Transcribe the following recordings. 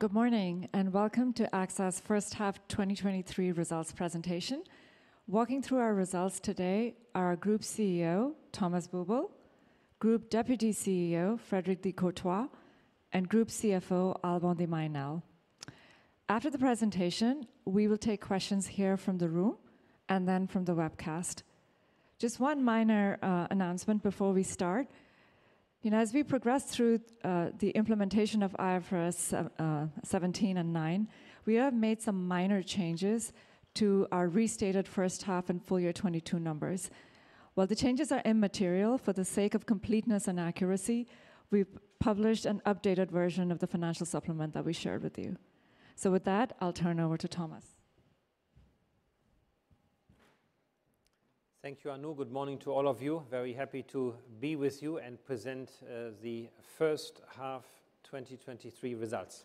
Good morning, welcome to AXA's first half 2023 results presentation. Walking through our results today are our Group CEO, Thomas Buberl, Group Deputy CEO, Frédéric de Courtois, and Group CFO, Alban de Mailly Nesle. After the presentation, we will take questions here from the room and then from the webcast. Just one minor announcement before we start. You know, as we progress through the implementation of IFRS 17 and 9, we have made some minor changes to our restated first half and full year 2022 numbers. While the changes are immaterial, for the sake of completeness and accuracy, we've published an updated version of the financial supplement that we shared with you. With that, I'll turn it over to Thomas. Thank you, Anu. Good morning to all of you. Very happy to be with you and present the first half 2023 results.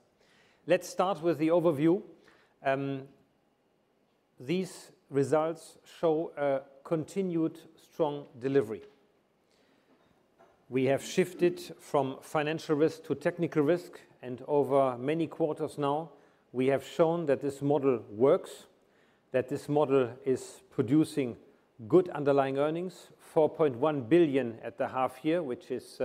Let's start with the overview. These results show a continued strong delivery. We have shifted from financial risk to technical risk, and over many quarters now, we have shown that this model works, that this model is producing good underlying earnings, 4.1 billion at the half year, which is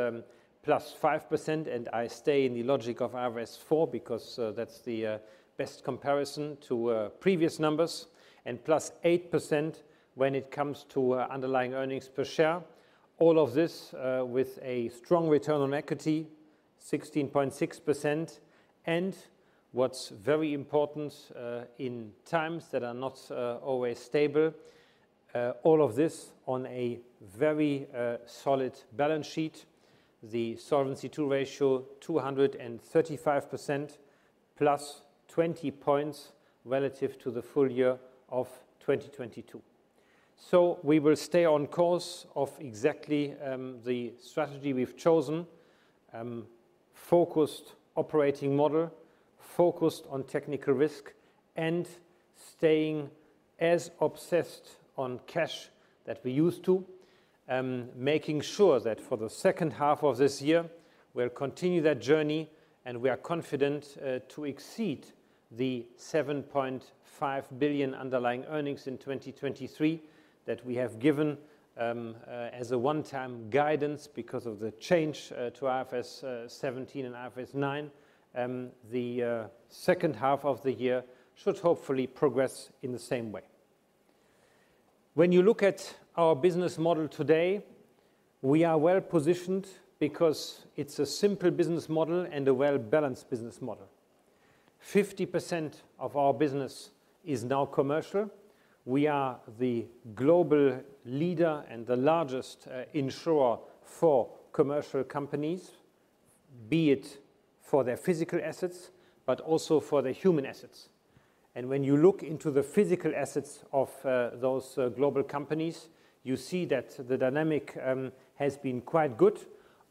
+5%, and I stay in the logic of IFRS 4 because that's the best comparison to previous numbers, and +8% when it comes to underlying earnings per share. All of this with a strong return on equity, 16.6%. What's very important, in times that are not always stable, all of this on a very solid balance sheet. The Solvency II ratio, 235%, +20 points relative to the full year of 2022. We will stay on course of exactly the strategy we've chosen: focused operating model, focused on technical risk, and staying as obsessed on cash that we used to. Making sure that for the second half of this year, we'll continue that journey, and we are confident to exceed the 7.5 billion underlying earnings in 2023 that we have given as a one-time guidance because of the change to IFRS 17 and IFRS 9. The second half of the year should hopefully progress in the same way. When you look at our business model today, we are well positioned because it's a simple business model and a well-balanced business model. 50% of our business is now commercial. We are the global leader and the largest insurer for commercial companies, be it for their physical assets, but also for their human assets. When you look into the physical assets of those global companies, you see that the dynamic has been quite good.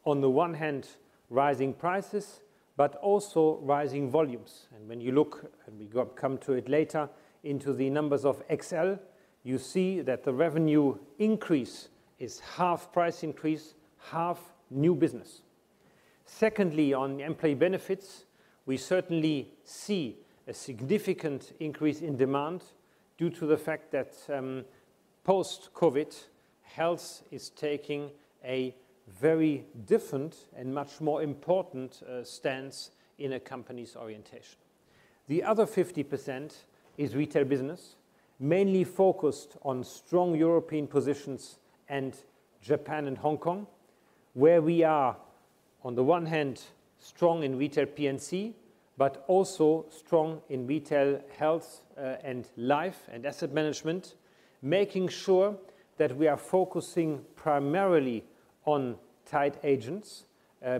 On the one hand, rising prices, but also rising volumes. When you look, and we come to it later, into the numbers of XL, you see that the revenue increase is half price increase, half new business. Secondly, on employee benefits, we certainly see a significant increase in demand due to the fact that, post-COVID, health is taking a very different and much more important stance in a company's orientation. The other 50% is retail business, mainly focused on strong European positions and Japan and Hong Kong, where we are, on the one hand, strong in retail P&C, but also strong in retail health, and life and asset management, making sure that we are focusing primarily on tied agents,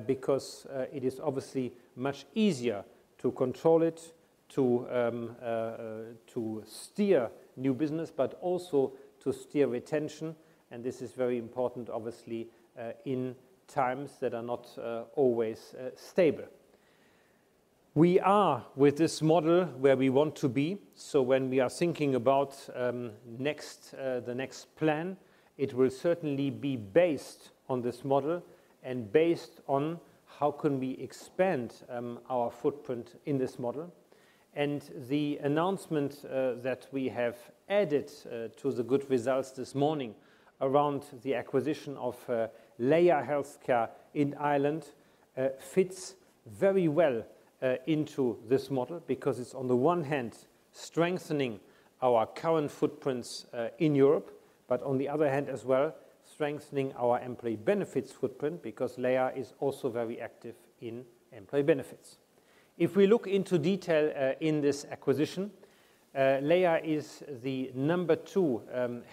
because it is obviously much easier to control it, to steer new business, but also to steer retention. This is very important, obviously, in times that are not always stable. We are, with this model, where we want to be. When we are thinking about next the next plan, it will certainly be based on this model and based on how can we expand our footprint in this model. The announcement that we have added to the good results this morning around the acquisition of Laya Healthcare in Ireland fits very well into this model because it's on the one hand, strengthening our current footprints in Europe, but on the other hand as well, strengthening our employee benefits footprint, because Laya is also very active in employee benefits. If we look into detail in this acquisition, Laya is the number two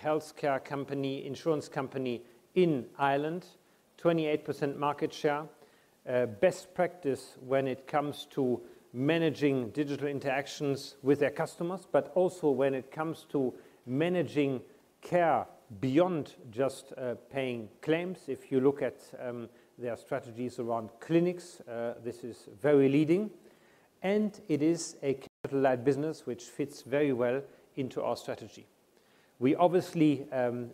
healthcare company, insurance company in Ireland, 28% market share. It comes to managing digital interactions with their customers, but also when it comes to managing care beyond just paying claims. If you look at their strategies around clinics, this is very leading, and it is a capital light business, which fits very well into our strategy. We obviously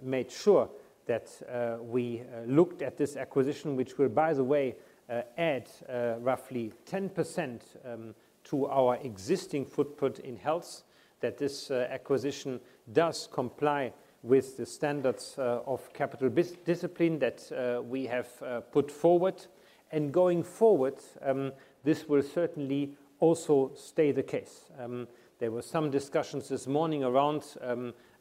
made sure that we looked at this acquisition, which will, by the way, add roughly 10% to our existing footprint in health, that this acquisition does comply with the standards of capital discipline that we have put forward. Going forward, this will certainly also stay the case. There were some discussions this morning around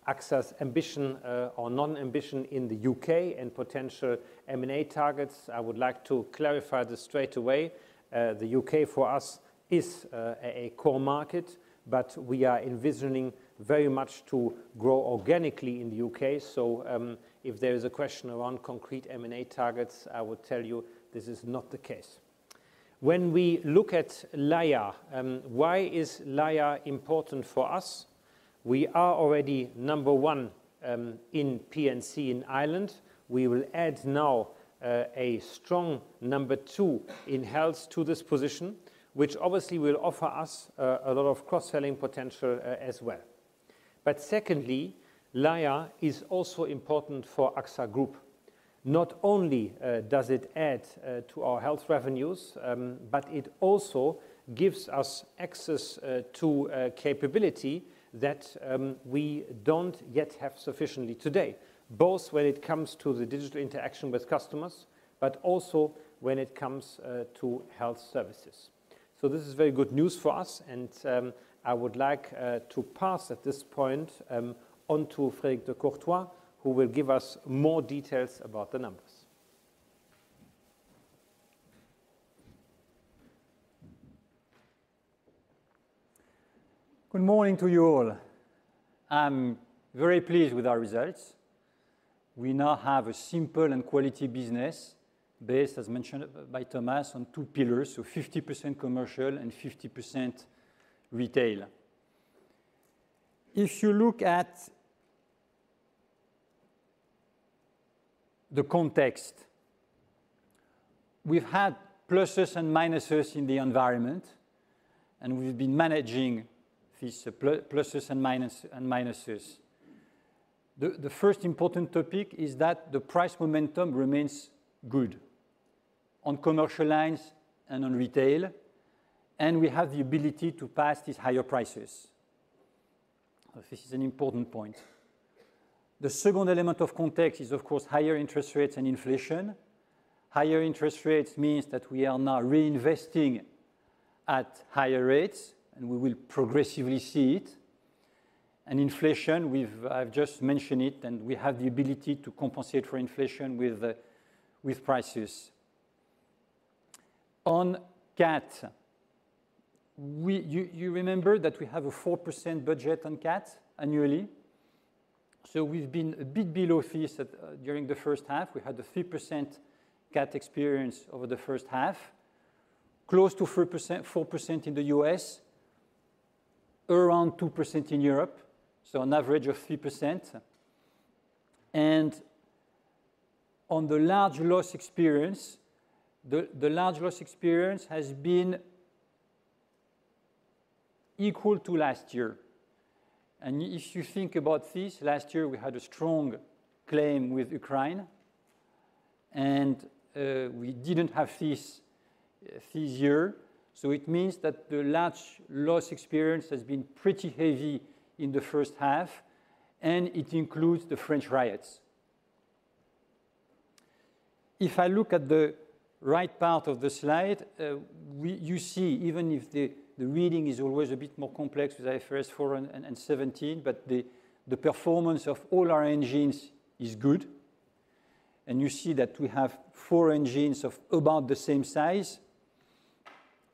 AXA's ambition or non-ambition in the U.K. and potential M&A targets. I would like to clarify this straight away. The U.K. for us is a core market. We are envisioning very much to grow organically in the U.K. If there is a question around concrete M&A targets, I would tell you this is not the case. When we look at Laya, why is Laya important for us? We are already number one in P&C in Ireland. We will add now a strong number two in health to this position, which obviously will offer us a lot of cross-selling potential as well. Secondly, Laya is also important for AXA Group. Not only does it add to our health revenues, but it also gives us access to capability that we don't yet have sufficiently today, both when it comes to the digital interaction with customers, but also when it comes to health services. This is very good news for us, I would like to pass at this point on to Frédéric de Courtois, who will give us more details about the numbers. Good morning to you all. I'm very pleased with our results. We now have a simple and quality business based, as mentioned by Thomas, on two pillars, so 50% commercial and 50% retail. If you look at the context, we've had pluses and minuses in the environment, and we've been managing these pluses and minus, and minuses. The first important topic is that the price momentum remains good on commercial lines and on retail, and we have the ability to pass these higher prices. This is an important point. The second element of context is, of course, higher interest rates and inflation. Higher interest rates means that we are now reinvesting at higher rates, and we will progressively see it. Inflation, I've just mentioned it, and we have the ability to compensate for inflation with prices. On CAT, we... You, you remember that we have a 4% budget on CAT annually, so we've been a bit below this during the first half. We had a 3% CAT experience over the first half, close to 3%, 4% in the U.S., around 2% in Europe, so an average of 3%. On the large loss experience, the large loss experience has been equal to last year. If you think about this, last year, we had a strong claim with Ukraine, and we didn't have this, this year. It means that the large loss experience has been pretty heavy in the first half, and it includes the French riots. If I look at the right part of the slide, we, you see, even if the, the reading is always a bit more complex with IFRS 4 and 17, but the, the performance of all our engines is good. You see that we have four engines of about the same size,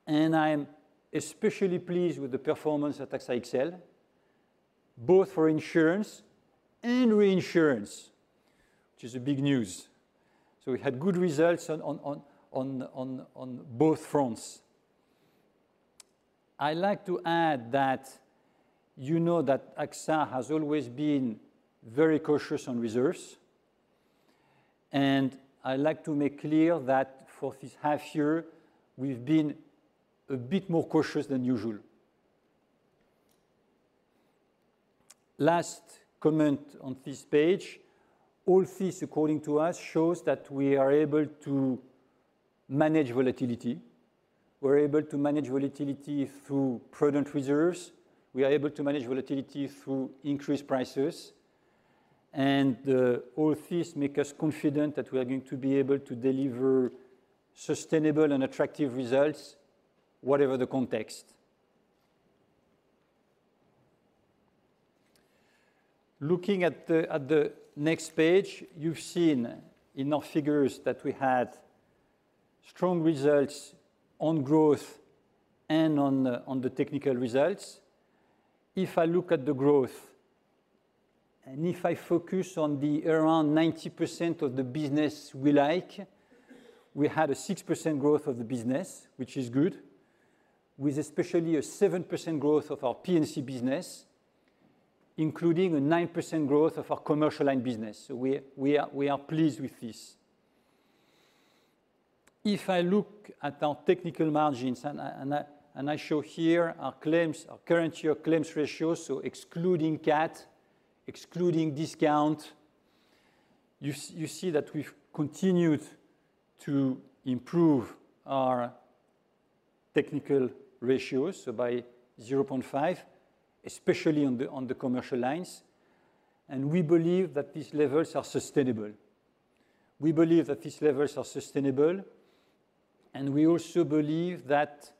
and I'm especially pleased with the performance at AXA XL, both for insurance and reinsurance, which is a big news. We had good results on both fronts. I like to add that you know that AXA has always been very cautious on reserves, and I like to make clear that for this half year, we've been a bit more cautious than usual. Last comment on this page, all this, according to us, shows that we are able to manage volatility. We're able to manage volatility through prudent reserves. We are able to manage volatility through increased prices, and all this make us confident that we are going to be able to deliver sustainable and attractive results, whatever the context. Looking at the, at the next page, you've seen in our figures that we had strong results on growth and on the, on the technical results. If I look at the growth, and if I focus on the around 90% of the business we like, we had a 6% growth of the business, which is good, with especially a 7% growth of our P&C business, including a 9% growth of our commercial line business. We are, we are, we are pleased with this. If I look at our technical margins, I show here our claims, our current year claims ratio, so excluding CAT, excluding discount, you see that we've continued to improve our technical ratios, so by 0.5, especially on the commercial lines. We believe that these levels are sustainable. We also believe that,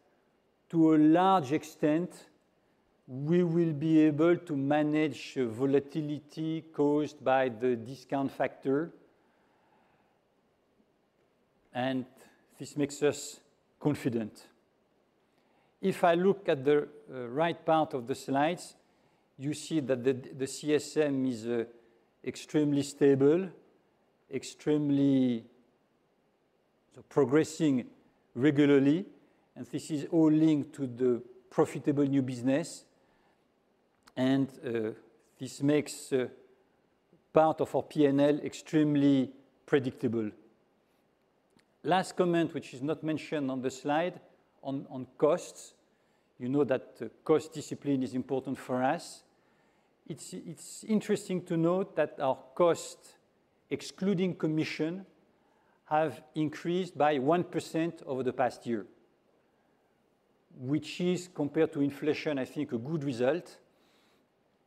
to a large extent, we will be able to manage volatility caused by the discount factor. This makes us confident. If I look at the right part of the slides, you see that the CSM is extremely stable, extremely progressing regularly. This is all linked to the profitable new business. This makes part of our P&L extremely predictable. Last comment, which is not mentioned on the slide, on costs. You know that cost discipline is important for us. It's, it's interesting to note that our costs, excluding commission, have increased by 1% over the past year, which is, compared to inflation, I think, a good result,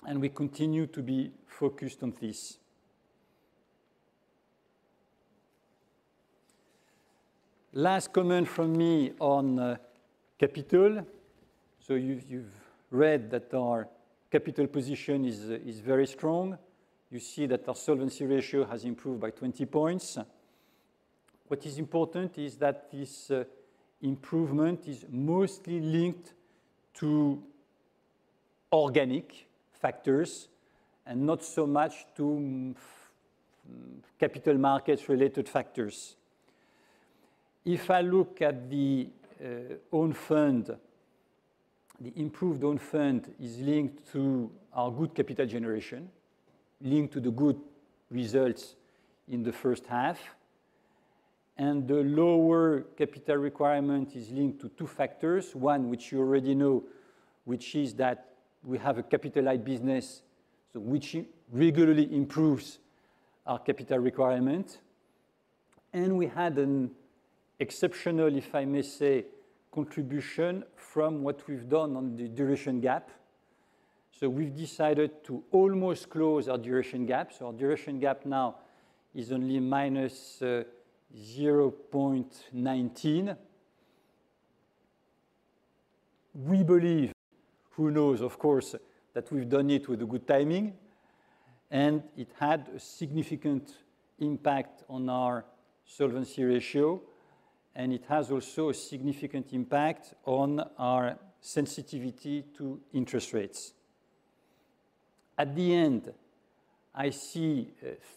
and we continue to be focused on this. Last comment from me on capital. You've, you've read that our capital position is, is very strong. You see that our solvency ratio has improved by 20 points. What is important is that this improvement is mostly linked to organic factors and not so much to capital markets related factors. If I look at the own fund, the improved own fund is linked to our good capital generation, linked to the good results in the first half. The lower capital requirement is linked to two factors. One, which you already know, which is that we have a capitalized business, so which regularly improves our capital requirement. We had an exceptional, if I may say, contribution from what we've done on the duration gap. We've decided to almost close our duration gap. Our duration gap now is only minus 0.19. We believe, who knows, of course, that we've done it with good timing, and it had a significant impact on our solvency ratio, and it has also a significant impact on our sensitivity to interest rates. At the end, I see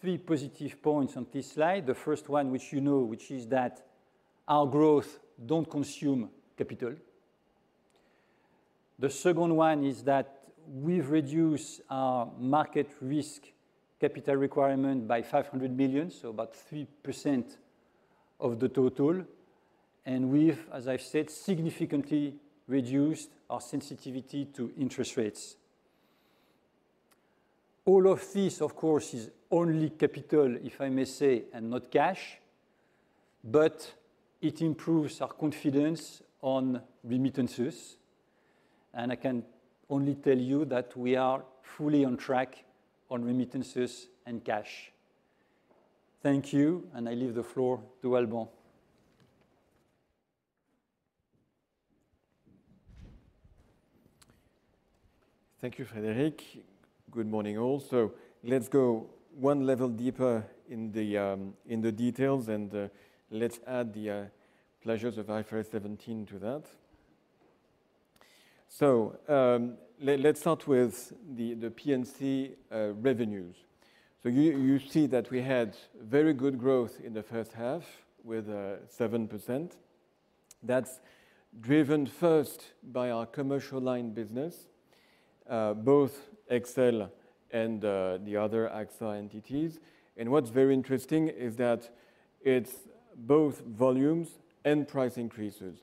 3 positive points on this slide. The first one, which you know, which is that our growth don't consume capital. The second one is that we've reduced our market risk capital requirement by 500 million, so about 3% of the total, and we've, as I've said, significantly reduced our sensitivity to interest rates. All of this, of course, is only capital, if I may say, and not cash, but it improves our confidence on remittances, and I can only tell you that we are fully on track on remittances and cash. Thank you. I leave the floor to Alban. Thank you, Frédéric. Good morning, all. Let's go one level deeper in the details, and let's add the pleasures of IFRS 17 to that. Let's start with the P&C revenues. You, you see that we had very good growth in the first half with 7%. That's driven first by our commercial line business, both XL and the other AXA entities. What's very interesting is that it's both volumes and price increases.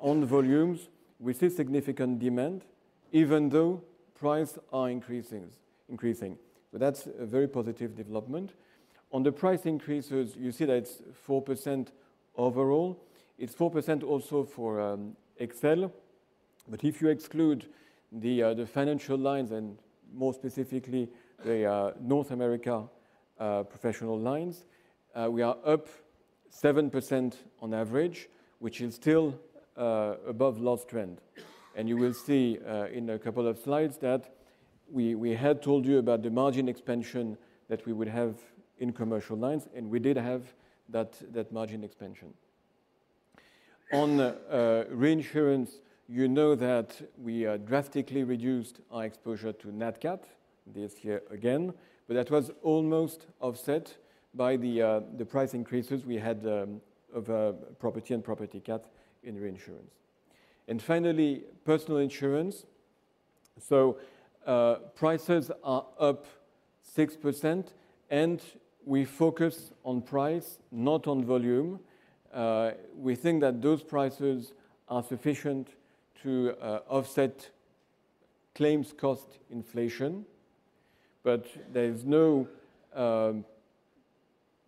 On volumes, we see significant demand, even though prices are increasing, increasing. That's a very positive development. On the price increases, you see that it's 4% overall. It's 4% also for XL. If you exclude the financial lines and more specifically, the North America professional lines, we are up 7% on average, which is still above last trend. You will see in a couple of slides that we, we had told you about the margin expansion that we would have in commercial lines, and we did have that, that margin expansion. On reinsurance, you know that we drastically reduced our exposure to net CAT this year again, but that was almost offset by the price increases we had of property and property CAT in reinsurance. Finally, prices are up 6%, and we focus on price, not on volume. We think that those prices are sufficient to offset claims cost inflation, There's no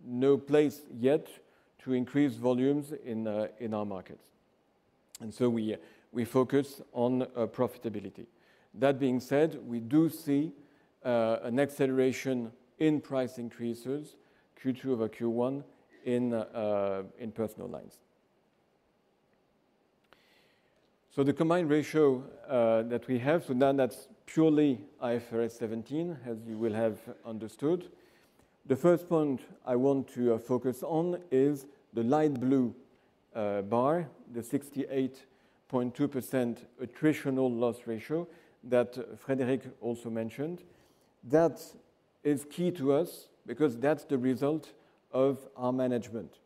no place yet to increase volumes in our markets. We, we focus on profitability. That being said, we do see an acceleration in price increases, Q2 over Q1 in Personal Lines. The combined ratio that we have, so now that's purely IFRS 17, as you will have understood. The first point I want to focus on is the light blue bar, the 68.2% attritional loss ratio that Frédéric also mentioned. That is key to us because that's the result of our management.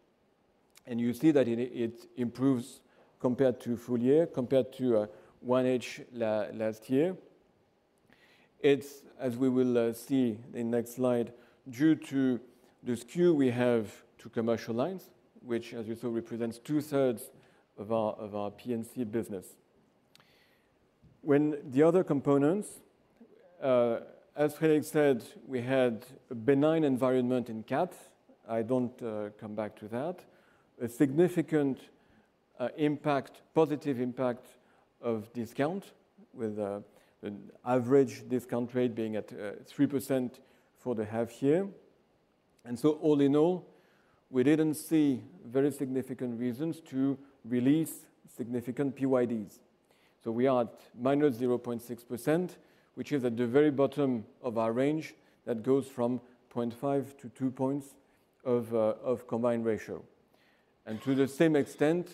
You see that it, it improves compared to full year, compared to 1H last year. It's, as we will see in next slide, due to the skew we have to Commercial Lines, which, as you saw, represents two-thirds of our P&C business. The other components, as Frederick said, we had a benign environment in CAT. I don't come back to that. A significant impact, positive impact of discount, with an average discount rate being at 3% for the half year. All in all, we didn't see very significant reasons to release significant PYDs. We are at -0.6%, which is at the very bottom of our range, that goes from 0.5-2 points of combined ratio. To the same extent,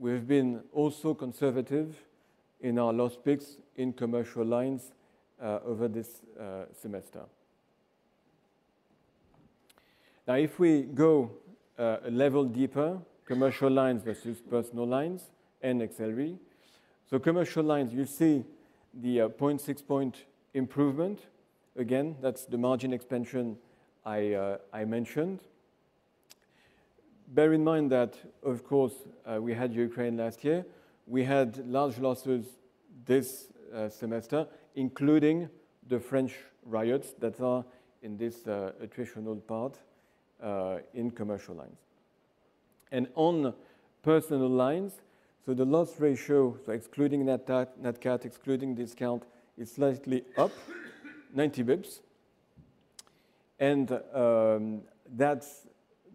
we've been also conservative in our loss picks in Commercial Lines over this semester. If we go a level deeper, Commercial Lines versus Personal Lines and XL Re. Commercial Lines, you see the 0.6 point improvement. Again, that's the margin expansion I mentioned. Bear in mind that, of course, we had Ukraine last year. We had large losses this semester, including the French riots that are in this attritional part in Commercial Lines. On Personal Lines, the loss ratio, excluding net CAT, net CAT, excluding discount, is slightly up 90 basis points. That's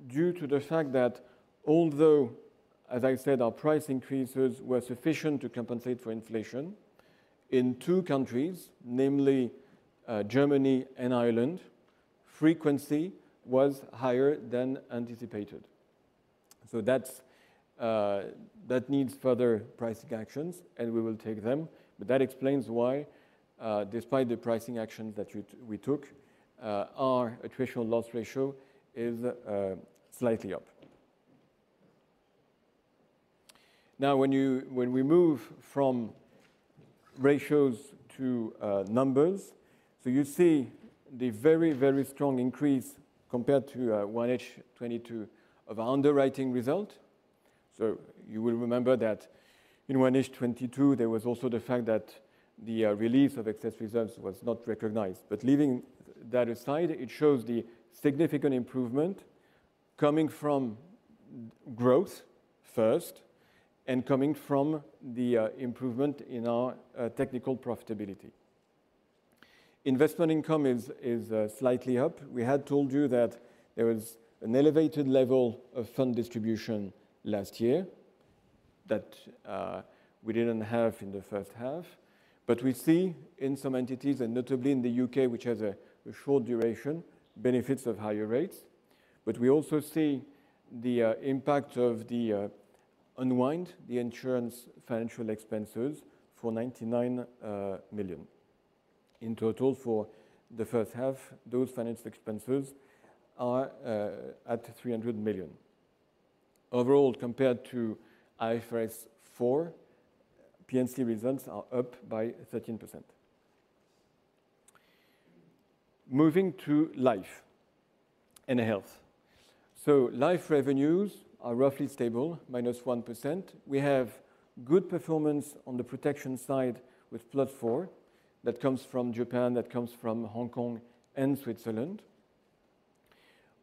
due to the fact that although, as I said, our price increases were sufficient to compensate for inflation, in two countries, namely, Germany and Ireland, frequency was higher than anticipated. That's that needs further pricing actions, and we will take them. That explains why, despite the pricing action that we, we took, our attritional loss ratio is slightly up. When we move from ratios to numbers, you see the very, very strong increase compared to 1H 2022 of underwriting result. You will remember that in 1H 2022, there was also the fact that the release of excess reserves was not recognized. Leaving that aside, it shows the significant improvement coming from growth first, and coming from the improvement in our technical profitability. Investment income is, is slightly up. We had told you that there was an elevated level of fund distribution last year, that we didn't have in the first half. We see in some entities, and notably in the U.K., which has a, a short duration, benefits of higher rates. We also see the impact of the unwind, the insurance financial expenses for 99 million. In total, for the first half, those financial expenses are at 300 million. Overall, compared to IFRS 4, P&C results are up by 13%. Moving to Life and Health. Life revenues are roughly stable, minus 1%. We have good performance on the protection side with flood four, that comes from Japan, that comes from Hong Kong and Switzerland.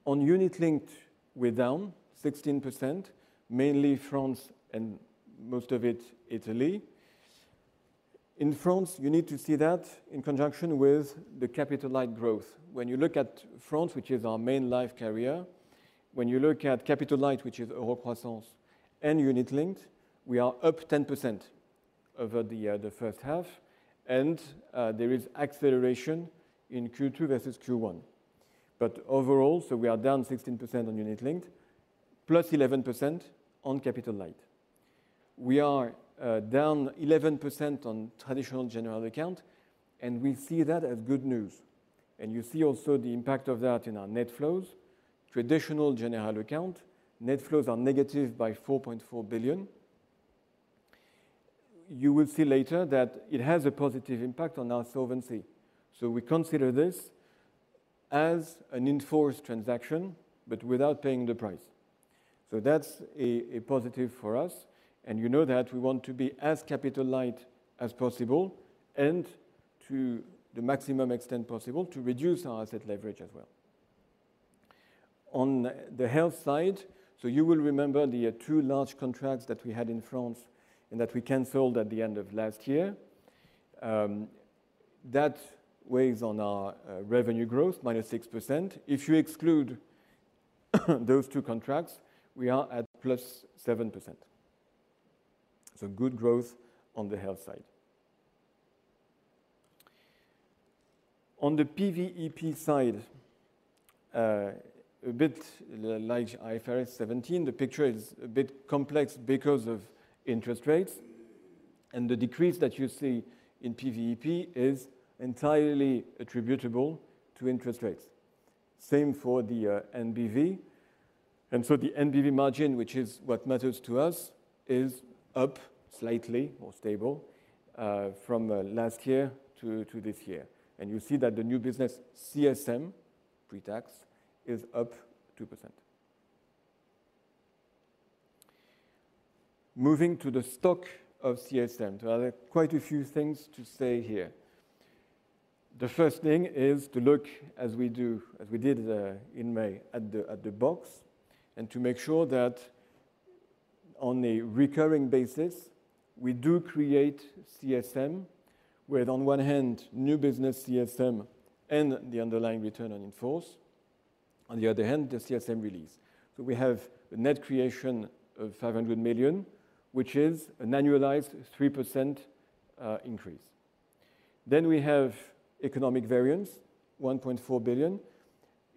On unit linked, we're down 16%, mainly France and most of it, Italy. In France, you need to see that in conjunction with the capital light growth. When you look at France, which is our main life carrier, when you look at capital light, which is Europe Crossings and unit linked, we are up 10% over the first half. There is acceleration in Q2 versus Q1. Overall, we are down 16% on unit linked, +11% on capital light. We are down 11% on traditional general account. We see that as good news. You see also the impact of that in our net flows. Traditional general account, net flows are negative by 4.4 billion. You will see later that it has a positive impact on our solvency. We consider this as an in-force transaction, without paying the price. That's a positive for us, and you know that we want to be as capital light as possible and to the maximum extent possible, to reduce our asset leverage as well. On the Health side, you will remember the two large contracts that we had in France and that we canceled at the end of last year. That weighs on our revenue growth, minus 6%. If you exclude those two contracts, we are at plus 7%. Good growth on the health side. On the PVEP side, a bit like IFRS 17, the picture is a bit complex because of interest rates, and the decrease that you see in PVEP is entirely attributable to interest rates. Same for the NBV. The NBV margin, which is what matters to us, is up slightly, more stable from last year to this year. You see that the new business CSM, pre-tax, is up 2%. Moving to the stock of CSM. There are quite a few things to say here. The first thing is to look, as we do, as we did in May, at the box, and to make sure that on a recurring basis, we do create CSM, with, on one hand, new business CSM and the underlying return on in-force, on the other hand, the CSM release. We have a net creation of 500 million, which is an annualized 3% increase. We have economic variance, 1.4 billion.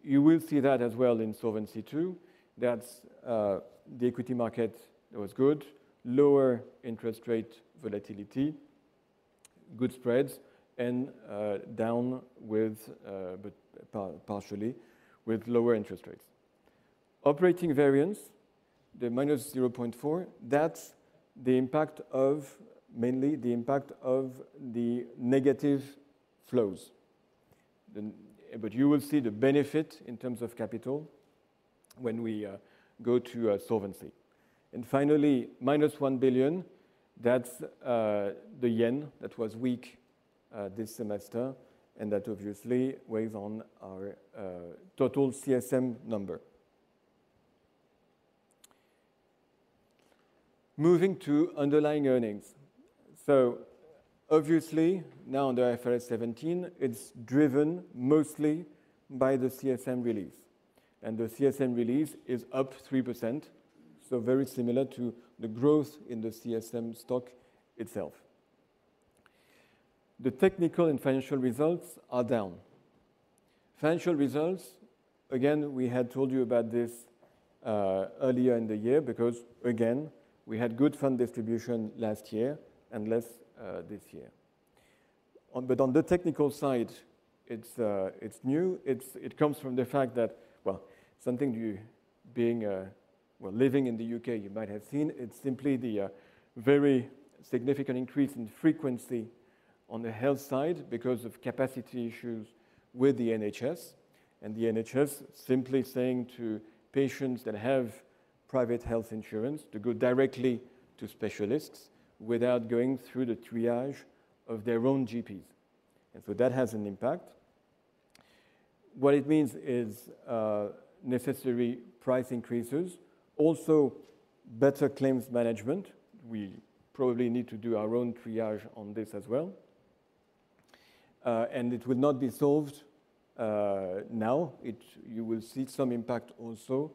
You will see that as well in Solvency II. That's the equity market was good, lower interest rate volatility, good spreads, and down with, partially, with lower interest rates. Operating variance, minus 0.4, that's the impact of, mainly the impact of the negative flows. You will see the benefit in terms of capital when we go to solvency. Minus 1 billion, that's the yen that was weak this semester, and that obviously weighs on our total CSM number. Moving to underlying earnings. Now under IFRS 17, it's driven mostly by the CSM release, and the CSM release is up 3%, very similar to the growth in the CSM stock itself. The technical and financial results are down. Financial results, again, we had told you about this earlier in the year, because, again, we had good fund distribution last year and less this year. On the technical side, it's new. It comes from the fact that, well, something you, well, living in the U.K., you might have seen, it's simply the very significant increase in frequency on the Health side because of capacity issues with the NHS, and the NHS simply saying to patients that have private health insurance to go directly to specialists without going through the triage of their own GPs. So that has an impact. What it means is necessary price increases, also better claims management. We probably need to do our own triage on this as well, and it will not be solved now. You will see some impact also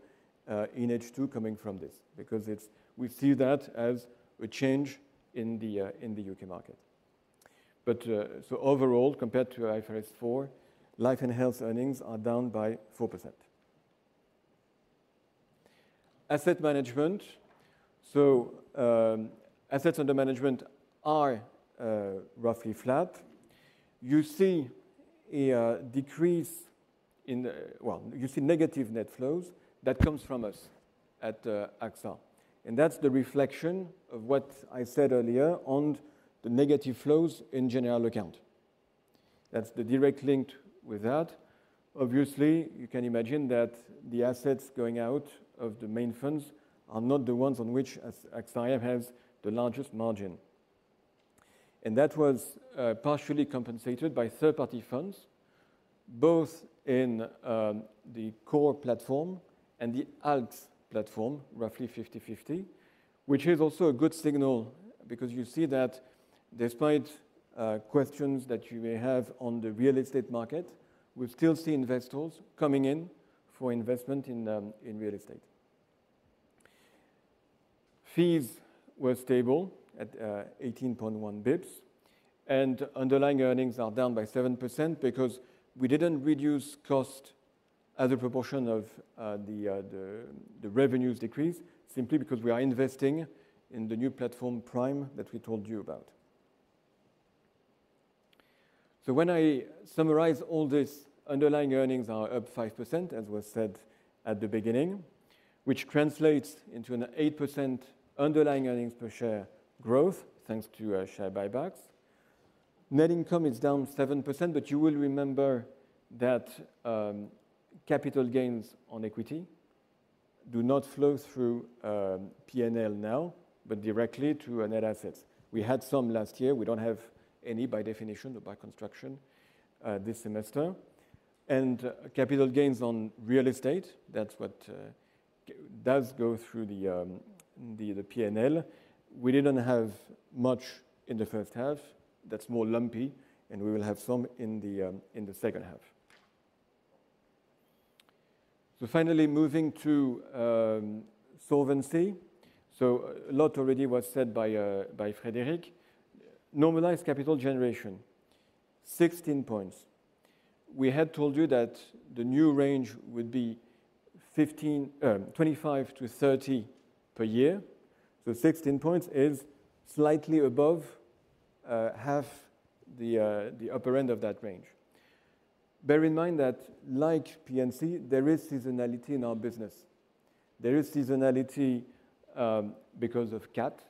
in H2 coming from this, because we see that as a change in the U.K. market. Overall, compared to IFRS 4, life and health earnings are down by 4%. Asset management. Assets under management are roughly flat. You see a decrease in... Well, you see negative net flows that comes from us at AXA, that's the reflection of what I said earlier on the negative flows in general account. That's the direct link with that. Obviously, you can imagine that the assets going out of the main funds are not the ones on which AXA has the largest margin. That was partially compensated by third-party funds, both in the core platform and the ALGS platform, roughly 50/50, which is also a good signal, because you see that despite questions that you may have on the real estate market, we still see investors coming in for investment in real estate. Fees were stable at 18.1 basis points, and underlying earnings are down by 7% because we didn't reduce cost as a proportion of the revenues decrease, simply because we are investing in the new platform, Prime, that we told you about. When I summarize all this, underlying earnings are up 5%, as was said at the beginning, which translates into an 8% underlying earnings per share growth, thanks to our share buybacks. Net income is down 7%, but you will remember that capital gains on equity do not flow through P&L now, but directly to our net assets. We had some last year. We don't have any, by definition or by construction, this semester. And capital gains on real estate, that's what does go through the P&L. We didn't have much in the first half. That's more lumpy, and we will have some in the second half. So finally, moving to solvency. So a lot already was said by Frédéric. Normalized capital generation, 16 points. We had told you that the new range would be 25-30 per year. So 16 points is slightly above half the upper end of that range. Bear in mind that like P&C, there is seasonality in our business. There is seasonality because of CAT.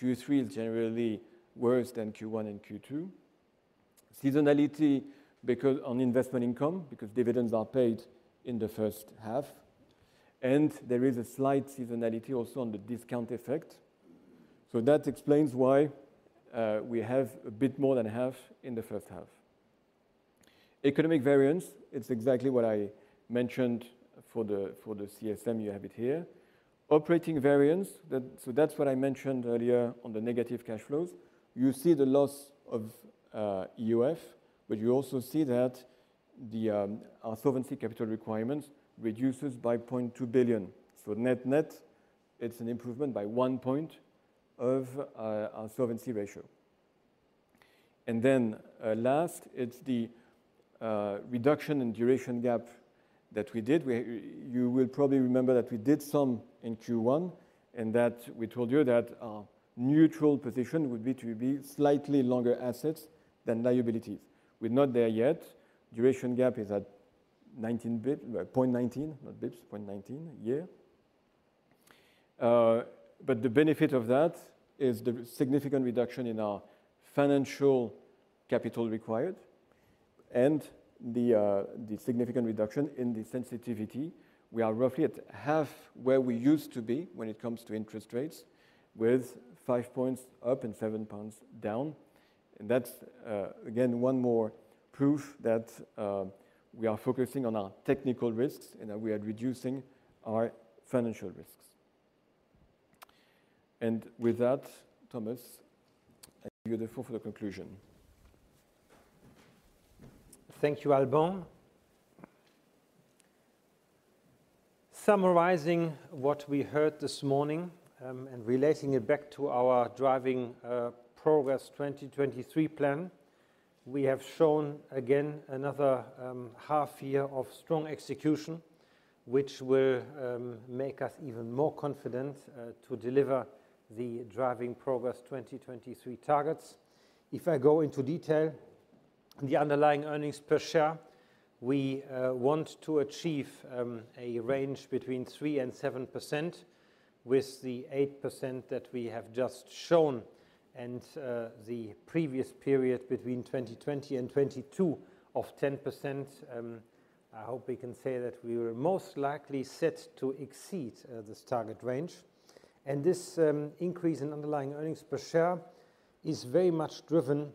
Q3 is generally worse than Q1 and Q2. Seasonality because on investment income, because dividends are paid in the first half, and there is a slight seasonality also on the discount effect. That explains why we have a bit more than half in the first half. Economic variance, it's exactly what I mentioned for the, for the CSM, you have it here. Operating variance, that's what I mentioned earlier on the negative cash flows. You see the loss of UF, but you also see that our solvency capital requirement reduces by 0.2 billion. Net, net, it's an improvement by one point of our Solvency ratio. Last, it's the reduction in duration gap that we did, where you will probably remember that we did some in Q1, and that we told you that our neutral position would be to be slightly longer assets than liabilities. We're not there yet. Duration gap is at 19 bit, point 19, not bits, point 19 year. But the benefit of that is the significant reduction in our financial capital required and the significant reduction in the sensitivity. We are roughly at half where we used to be when it comes to interest rates, with 5 points up and 7 points down. That's again, one more proof that we are focusing on our technical risks and that we are reducing our financial risks. With that, Thomas, I give you the floor for the conclusion. Thank you, Alban. Summarizing what we heard this morning, and relating it back to our Driving Progress 2023 plan, we have shown again another half year of strong execution, which will make us even more confident to deliver the Driving Progress 2023 targets. If I go into detail, the underlying earnings per share, we want to achieve a range between 3% and 7%, with the 8% that we have just shown and the previous period between 2020 and 2022 of 10%. I hope we can say that we are most likely set to exceed this target range. This increase in underlying earnings per share is very much driven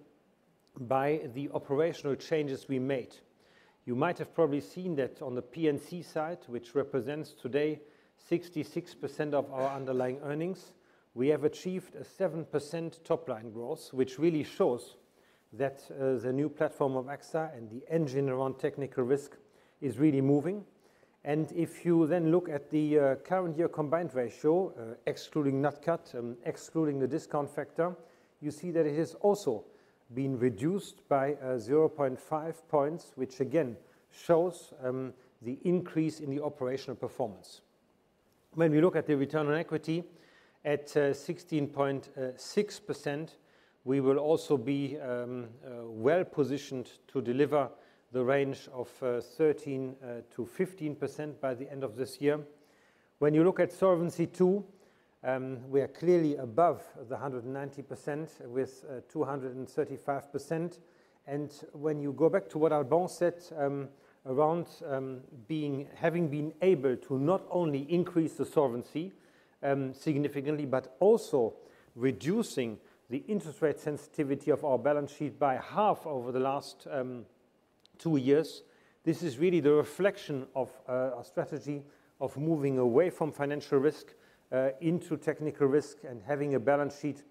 by the operational changes we made. You might have probably seen that on the P&C side, which represents today 66% of our underlying earnings, we have achieved a 7% top-line growth, which really shows that the new platform of AXA and the engine around technical risk is really moving. If you then look at the current year combined ratio, excluding CAT and excluding the discount factor, you see that it has also been reduced by 0.5 points, which again, shows the increase in the operational performance. When we look at the return on equity at 16.6%, we will also be well positioned to deliver the range of 13%-15% by the end of this year. When you look at Solvency II, we are clearly above the 190%, with 235%. When you go back to what Alban said, around, having been able to not only increase the solvency significantly, but also reducing the interest rate sensitivity of our balance sheet by half over the last 2 years, this is really the reflection of our strategy of moving away from financial risk into technical risk and having a balance sheet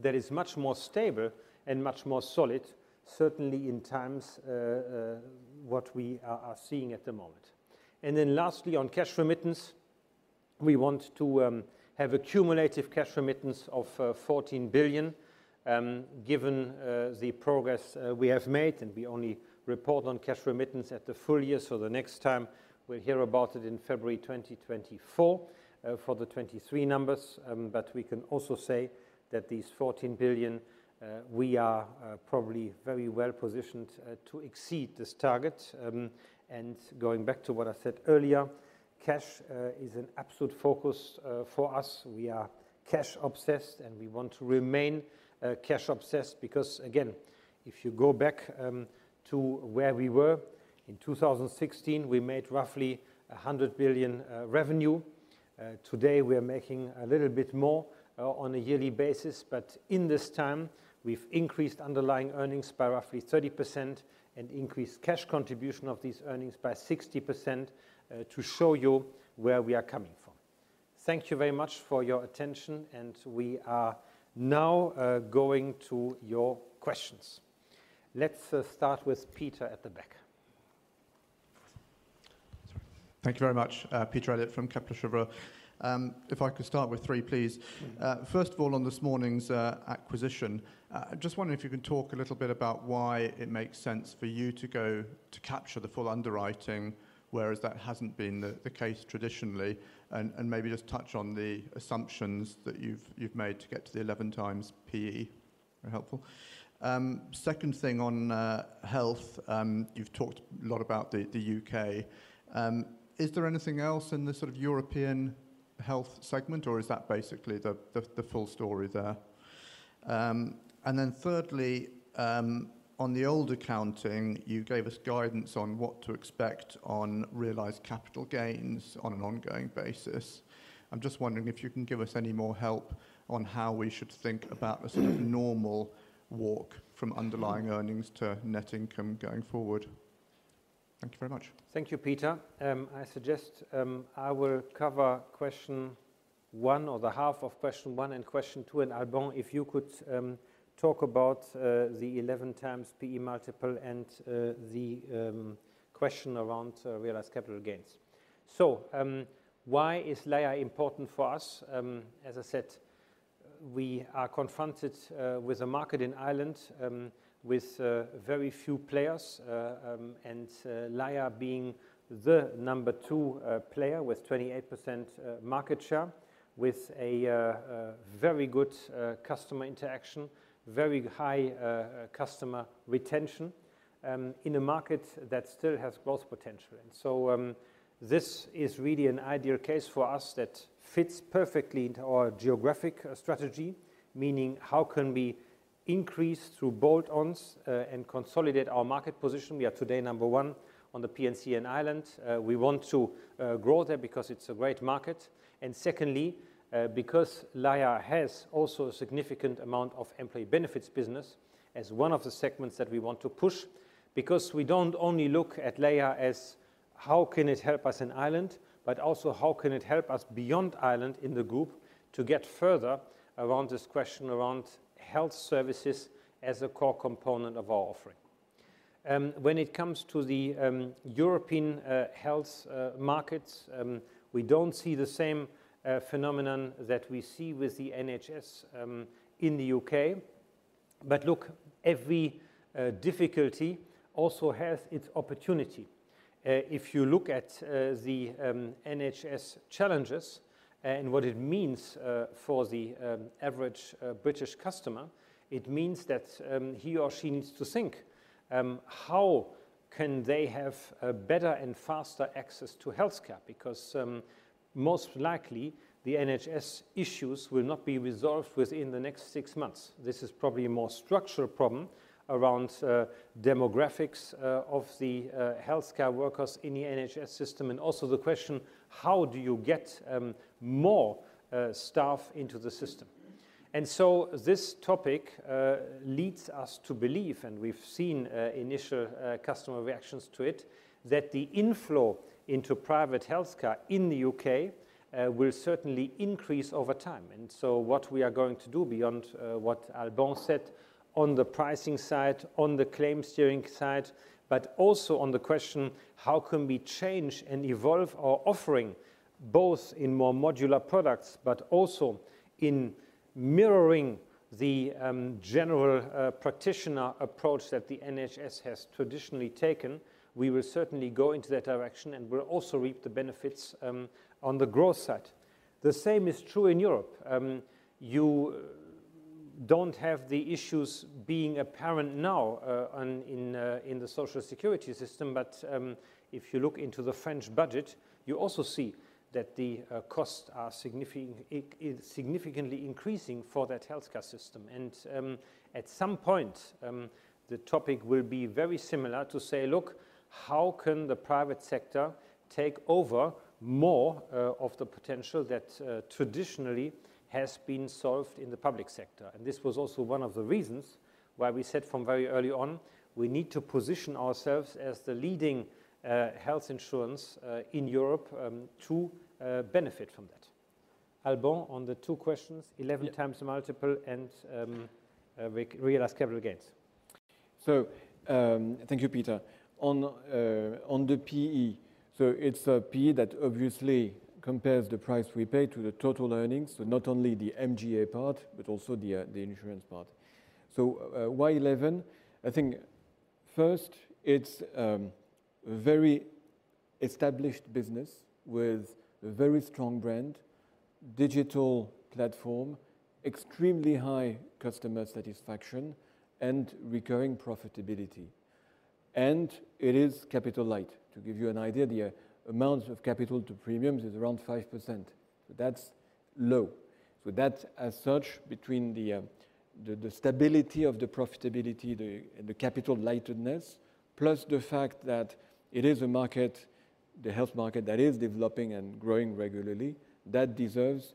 that is much more stable and much more solid, certainly in times what we are seeing at the moment. Then lastly, on cash remittance, we want to have a cumulative cash remittance of 14 billion, given the progress we have made, and we only report on cash remittance at the full year. The next time we'll hear about it in February 2024, for the 2023 numbers. We can also say that these 14 billion, we are probably very well positioned to exceed this target. Going back to what I said earlier, cash is an absolute focus for us. We are cash obsessed, and we want to remain cash obsessed. Again, if you go back to where we were in 2016, we made roughly 100 billion revenue. Today, we are making a little bit more, on a yearly basis, but in this time, we've increased underlying earnings by roughly 30% and increased cash contribution of these earnings by 60%, to show you where we are coming from. Thank you very much for your attention, and we are now, going to your questions. Let's start with Peter at the back. Thank you very much. Peter Eliot from Kepler Cheuvreux. If I could start with three, please. First of all, on this morning's acquisition, I just wonder if you can talk a little bit about why it makes sense for you to go to capture the full underwriting, whereas that hasn't been the case traditionally, and maybe just touch on the assumptions that you've made to get to the 11x PE, very helpful. Second thing on Health. You've talked a lot about the U.K. Is there anything else in the sort of European health segment, or is that basically the full story there? Then thirdly, on the old accounting, you gave us guidance on what to expect on realized capital gains on an ongoing basis. I'm just wondering if you can give us any more help on how we should think about the sort of normal walk from underlying earnings to net income going forward. Thank you very much. Thank you, Peter. I suggest I will cover question one or the half of question one and question two. Alban, if you could talk about the 11 times PE multiple and the question around realized capital gains. Why is Laya important for us? As I said, we are confronted with a market in Ireland with very few players. Laya being the number two player with 28% market share, with a very good customer interaction, very high customer retention, in a market that still has growth potential. This is really an ideal case for us that fits perfectly into our geographic strategy, meaning: how can we increase through add-ons and consolidate our market position? We are today number one on the P&C in Ireland. We want to grow there because it's a great market. Secondly, because Laya has also a significant amount of employee benefits business as one of the segments that we want to push, because we don't only look at Laya as how can it help us in Ireland, but also how can it help us beyond Ireland in the group to get further around this question around health services as a core component of our offering. When it comes to the European health markets, we don't see the same phenomenon that we see with the NHS in the U.K. Look, every difficulty also has its opportunity. If you look at the NHS challenges and what it means for the average British customer, it means that he or she needs to think how can they have a better and faster access to healthcare? Because most likely, the NHS issues will not be resolved within the next six months. This is probably a more structural problem around demographics of the healthcare workers in the NHS system, and also the question: how do you get more staff into the system? So this topic leads us to believe, and we've seen initial customer reactions to it, that the inflow into private healthcare in the U.K. will certainly increase over time. What we are going to do beyond what Alban said on the pricing side, on the claim steering side, but also on the question: how can we change and evolve our offering, both in more modular products, but also in mirroring the general practitioner approach that the NHS has traditionally taken? We will certainly go into that direction and will also reap the benefits on the growth side. The same is true in Europe. You don't have the issues being apparent now on, in the social security system, but if you look into the French budget, you also see that the costs are significantly increasing for that healthcare system. At some point, the topic will be very similar to say, "Look, how can the private sector take over more of the potential that traditionally has been solved in the public sector?" This was also one of the reasons why we said from very early on, we need to position ourselves as the leading health insurance in Europe to benefit from that. Alban, on the two questions, 11 times multiple and realized capital gains. Thank you, Peter. On the PE, it's a PE that obviously compares the price we paid to the total earnings, not only the MGA part, but also the insurance part. Why 11? I think first, it's established business with a very strong brand, digital platform, extremely high customer satisfaction, and recurring profitability. It is capital light. To give you an idea, the amount of capital to premiums is around 5%. That's low. That as such, between the stability of the profitability, and the capital lightness, plus the fact that it is a market, the health market, that is developing and growing regularly, that deserves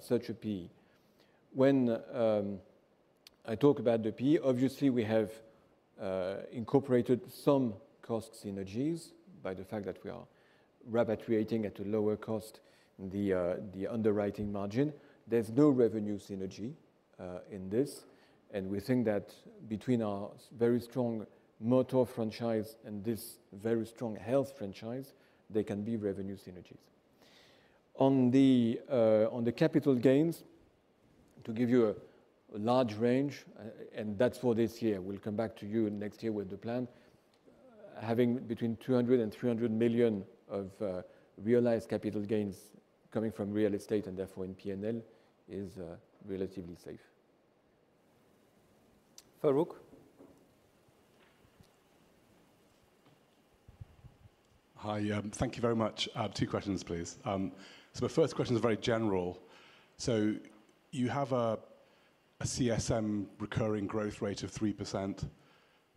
such a P. When I talk about the P, obviously, we have incorporated some cost synergies by the fact that we are repatriating at a lower cost the underwriting margin. There's no revenue synergy in this, and we think that between our very strong motor franchise and this very strong health franchise, there can be revenue synergies. On the capital gains, to give you a large range, and that's for this year, we'll come back to you next year with the plan. Having between 200 million and 300 million of realized capital gains coming from real estate and therefore in P&L, is relatively safe. Farooq? Hi, thank you very much. Two questions, please. The first question is very general. You have a CSM recurring growth rate of 3%,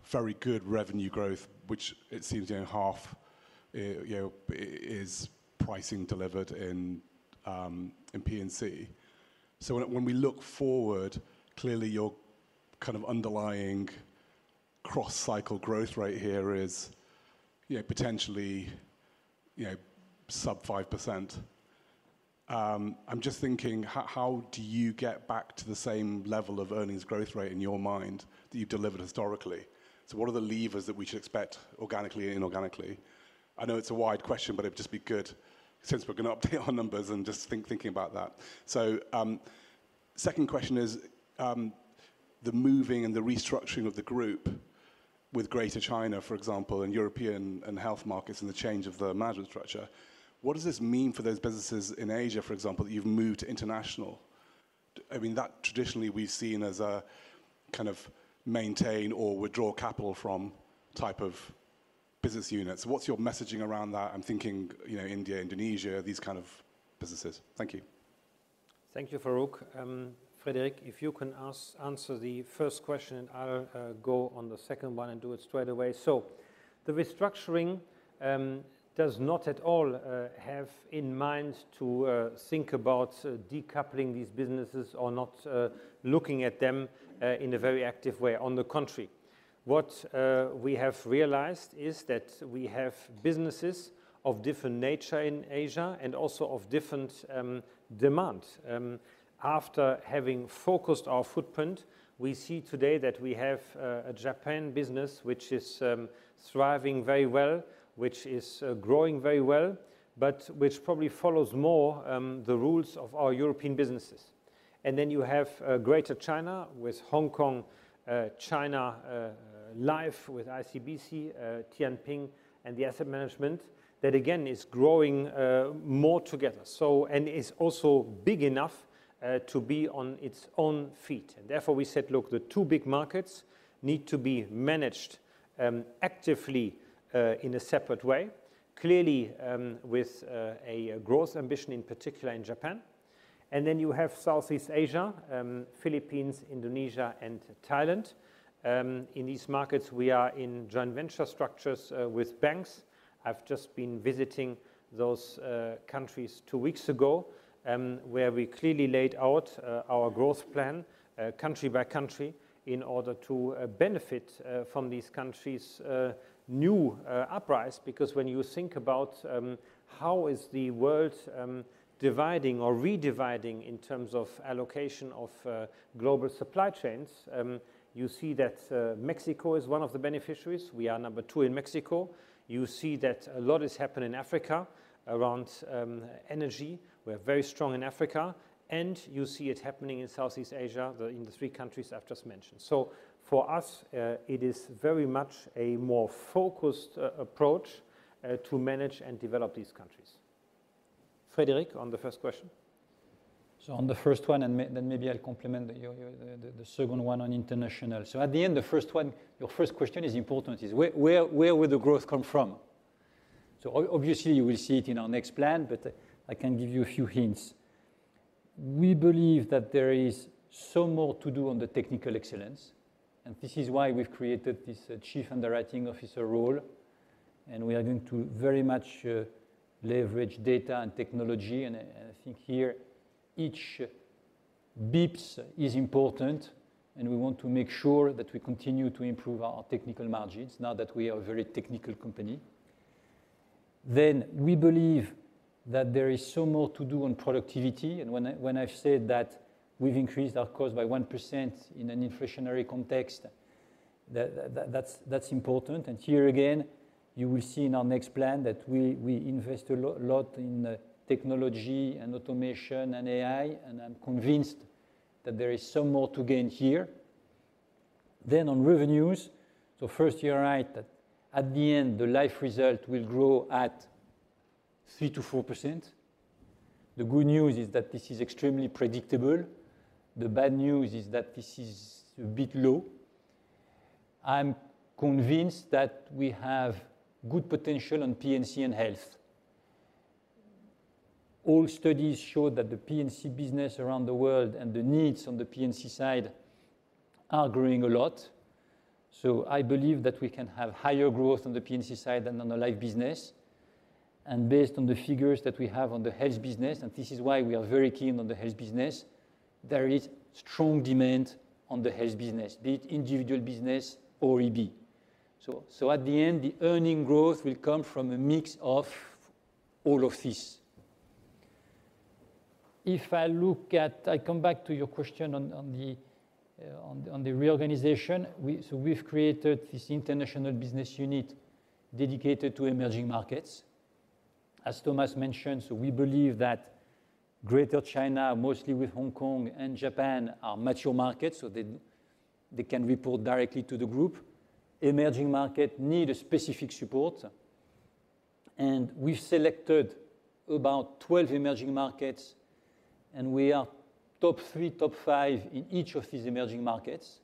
very good revenue growth, which it seems in half, is pricing delivered in P&C. When we look forward, clearly, your kind of underlying cross-cycle growth rate here is potentially sub 5%. I'm just thinking, how do you get back to the same level of earnings growth rate in your mind that you've delivered historically? What are the levers that we should expect organically and inorganically? I know it's a wide question, but it would just be good since we're going to update our numbers and just think, thinking about that. Second question is, the moving and the restructuring of the group with Greater China, for example, and European and health markets and the change of the management structure, what does this mean for those businesses in Asia, for example, that you've moved to international? I mean, that traditionally we've seen as a kind of maintain or withdraw capital from type of business units. What's your messaging around that? I'm thinking, you know, India, Indonesia, these kind of businesses. Thank you. Thank you, Farooq. Frédéric, if you can answer the first question, and I'll go on the second one and do it straight away. The restructuring does not at all have in mind to think about decoupling these businesses or not looking at them in a very active way. On the contrary, what we have realized is that we have businesses of different nature in Asia and also of different demand. After having focused our footprint, we see today that we have a Japan business, which is thriving very well, which is growing very well, but which probably follows more the rules of our European businesses. You have Greater China with Hong Kong, China, Life with ICBC, Tianping, and the Asset management. That again, is growing more together, and is also big enough to be on its own feet. Therefore, we said, look, the two big markets need to be managed actively in a separate way, clearly, with a growth ambition, in particular in Japan. Then you have Southeast Asia, Philippines, Indonesia, and Thailand. In these markets, we are in joint venture structures with banks. I've just been visiting those countries two weeks ago, where we clearly laid out our growth plan country by country, in order to benefit from these countries new uprise. When you think about how is the world dividing or redividing in terms of allocation of global supply chains, you see that Mexico is one of the beneficiaries. We are number two in Mexico. You see that a lot is happening in Africa around energy. We're very strong in Africa, and you see it happening in Southeast Asia, the, in the three countries I've just mentioned. For us, it is very much a more focused approach to manage and develop these countries. Frédéric, on the first question? On the first one, and maybe I'll complement your, your, the, the second one on international. At the end, the first one, your first question is important, is where, where, where will the growth come from? Obviously, you will see it in our next plan, but I can give you a few hints. We believe that there is so more to do on the technical excellence, and this is why we've created this Chief Underwriting Officer role, and we are going to very much leverage data and technology. I think here, each bips is important, and we want to make sure that we continue to improve our technical margins now that we are a very technical company. We believe that there is so more to do on productivity, and when I, when I've said that we've increased our cost by 1% in an inflationary context, that's important. Here again, you will see in our next plan that we invest a lot in technology and automation and AI, and I'm convinced that there is so more to gain here. On revenues, first, you're right that at the end, the life result will grow at 3%-4%. The good news is that this is extremely predictable. The bad news is that this is a bit low. I'm convinced that we have good potential on P&C and health. All studies show that the P&C business around the world and the needs on the P&C side are growing a lot. I believe that we can have higher growth on the P&C side than on the life business. Based on the figures that we have on the health business, and this is why we are very keen on the health business, there is strong demand on the health business, be it individual business or EB. At the end, the earning growth will come from a mix of all of this. I come back to your question on, on the, on the reorganization. We've created this international business unit dedicated to emerging markets. As Thomas mentioned, we believe that Greater China, mostly with Hong Kong and Japan, are mature markets, so they, they can report directly to the group. Emerging market need a specific support. We've selected about 12 emerging markets, and we are top three, top five in each of these emerging markets.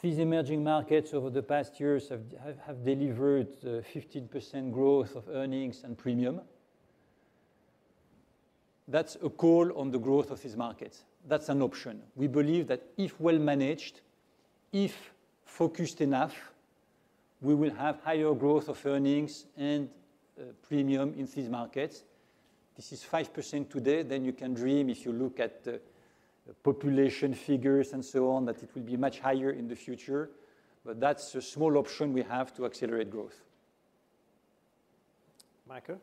These emerging markets, over the past years, have delivered, 15% growth of earnings and premium. That's a call on the growth of these markets. That's an option. We believe that if well managed, if focused enough, we will have higher growth of earnings and premium in these markets. This is 5% today, then you can dream, if you look at the, the population figures and so on, that it will be much higher in the future. That's a small option we have to accelerate growth. Michael?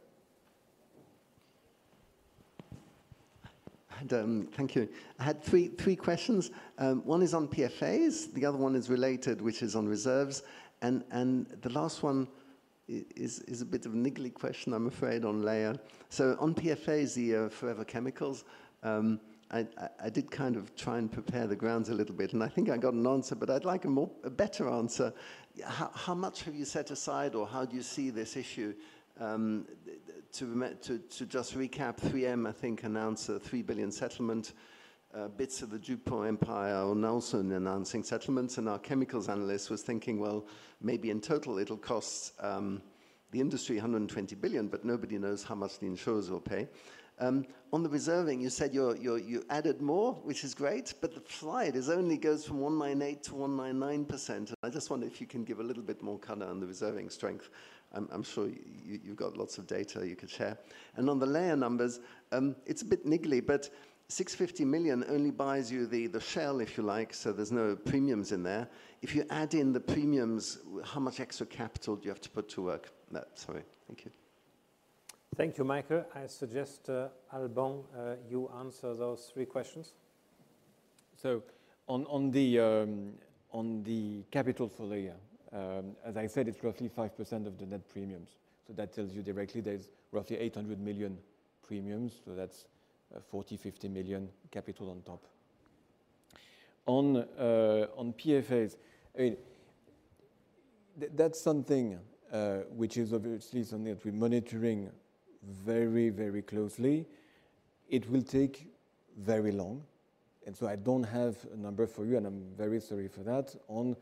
Thank you. I had three, three questions. One is on PFAS, the other one is related, which is on reserves. The last one is a bit of a niggly question, I'm afraid, on Laya. On PFAS, the forever chemicals, I, I, I did kind of try and prepare the grounds a little bit, and I think I got an answer, but I'd like a more, a better answer. How, how much have you set aside, or how do you see this issue? To just recap, 3M, I think, announced a $3 billion settlement. Bits of the DuPont empire are also announcing settlements, and our chemicals analyst was thinking, well, maybe in total it'll cost the industry $120 billion, but nobody knows how much the insurers will pay. On the reserving, you said you're, you're, you added more, which is great, but the slide is only goes from 198% to 199%. I just wonder if you can give a little bit more color on the reserving strength. I'm, I'm sure you, you've got lots of data you could share. On the Laya numbers, it's a bit niggly, but 650 million only buys you the, the shell, if you like, so there's no premiums in there. If you add in the premiums, how much extra capital do you have to put to work? Sorry. Thank you. Thank you, Michael. I suggest, Alban, you answer those three questions. On, on the, on the capital for the year, as I said, it's roughly 5% of the net premiums. That tells you directly there's roughly 800 million premiums, that's 40 million-50 million capital on top. On, on PFAS, I mean, that's something which is obviously something that we're monitoring very, very closely. It will take very long, I don't have a number for you, and I'm very sorry for that, on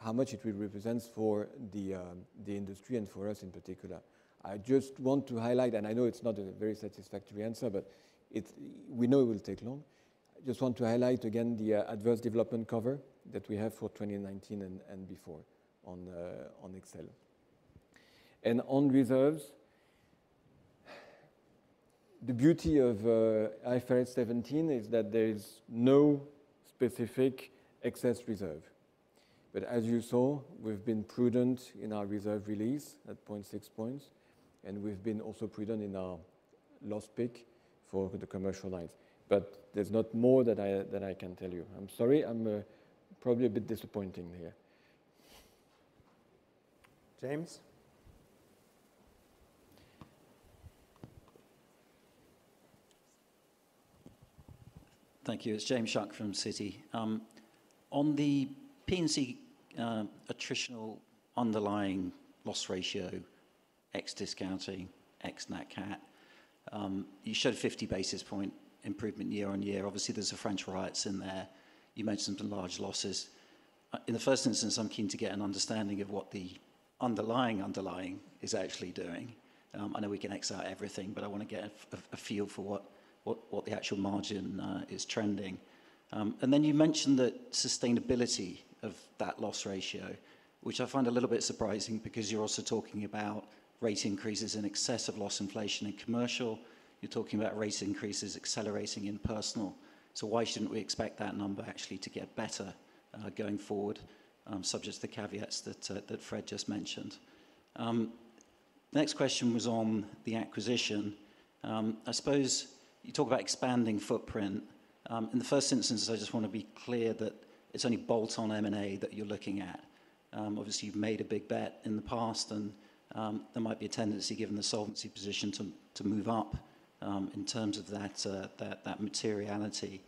how much it will represents for the industry and for us in particular. I just want to highlight, and I know it's not a very satisfactory answer, but it, we know it will take long. I just want to highlight again the adverse development cover that we have for 2019 and, and before on the, on AXA XL. On reserves, the beauty of IFRS 17 is that there is no specific excess reserve. As you saw, we've been prudent in our reserve release at 0.6 points, and we've been also prudent in our loss pick for the commercial lines. There's not more that I can tell you. I'm sorry, I'm probably a bit disappointing here. James? Thank you. It's James Shuck from Citi. On the P&C, attritional underlying loss ratio, ex-discounting, ex-nat CAT, you showed 50 basis point improvement year-on-year. Obviously, there's the French riots in there. You mentioned some large losses. In the first instance, I'm keen to get an understanding of what the underlying, underlying is actually doing. I know we can ex out everything, but I wanna get a feel for what, what, what the actual margin is trending. Then you mentioned the sustainability of that loss ratio, which I find a little bit surprising because you're also talking about rate increases in excess of loss inflation in commercial. You're talking about rate increases accelerating in personal. Why shouldn't we expect that number actually to get better, going forward, subject to the caveats that Fred just mentioned? Next question was on the acquisition. I suppose you talk about expanding footprint. In the first instance, I just want to be clear that it's only bolt-on M&A that you're looking at. Obviously, you've made a big bet in the past, and there might be a tendency, given the solvency position, to, to move up, in terms of that, that, that materiality.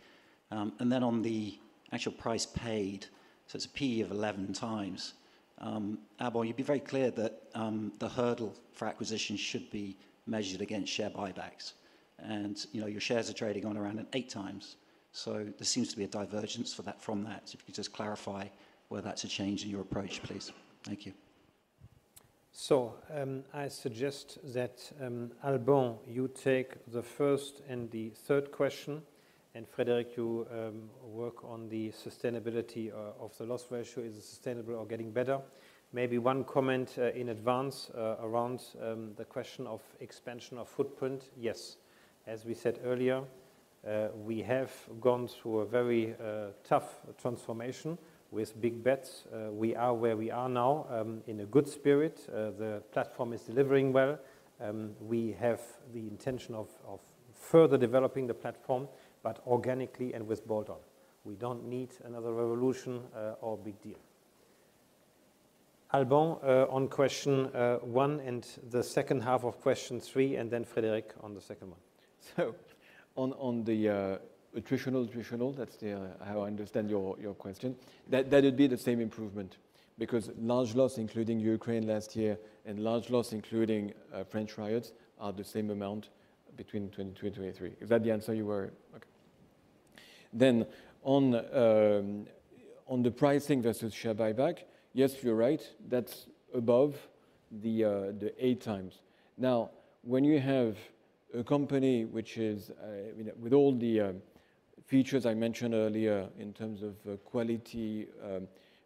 Then on the actual price paid, so it's a PE of 11 times. Alban, you'd be very clear that the hurdle for acquisition should be measured against share buybacks. You know, your shares are trading on around at 8 times, so there seems to be a divergence for that, from that. If you could just clarify whether that's a change in your approach, please. Thank you. I suggest that Alban, you take the first and the third question, and Frédéric, you work on the sustainability of the loss ratio. Is it sustainable or getting better? Maybe one comment in advance around the question of expansion of footprint. Yes, as we said earlier, we have gone through a very tough transformation with big bets. We are where we are now in a good spirit. The platform is delivering well. We have the intention of further developing the platform, but organically and with bolt-on. We don't need another revolution or big deal. Alban, on question one and the second half of question three, and then Frédéric on the second one. On the attritional, that's the how I understand your, your question. That would be the same improvement because large loss, including Ukraine last year, and large loss, including French riots, are the same amount between 2022 and 2023. Is that the answer you were? Okay. On the pricing versus share buyback, yes, you're right. That's above the 8 times. When you have a company which is, you know, with all the features I mentioned earlier in terms of quality,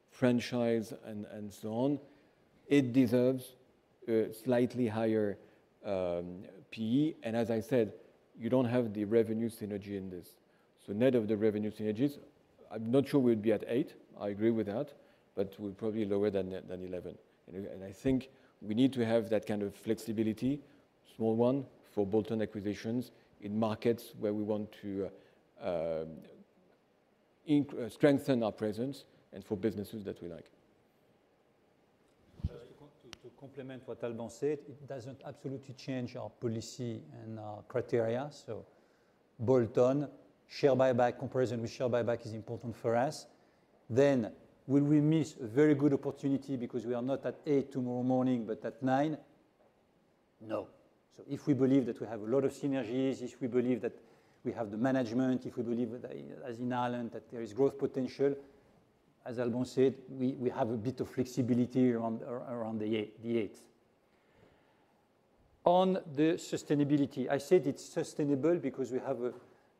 franchise and, and so on, it deserves a slightly higher PE. As I said, you don't have the revenue synergy in this. Net of the revenue synergies, I'm not sure we'd be at 8. I agree with that, we're probably lower than 11. I think we need to have that kind of flexibility, small one, for bolt-on acquisitions in markets where we want to strengthen our presence and for businesses that we like. Just to complement what Alban said, it doesn't absolutely change our policy and our criteria. Bolt-on, share buyback, comparison with share buyback is important for us. Will we miss a very good opportunity because we are not at 8 tomorrow morning, but at 9? No. If we believe that we have a lot of synergies, if we believe that we have the management, if we believe that, as in Ireland, that there is growth potential, as Alban said, we have a bit of flexibility around, around the 8, the 8. On the sustainability, I said it's sustainable because we have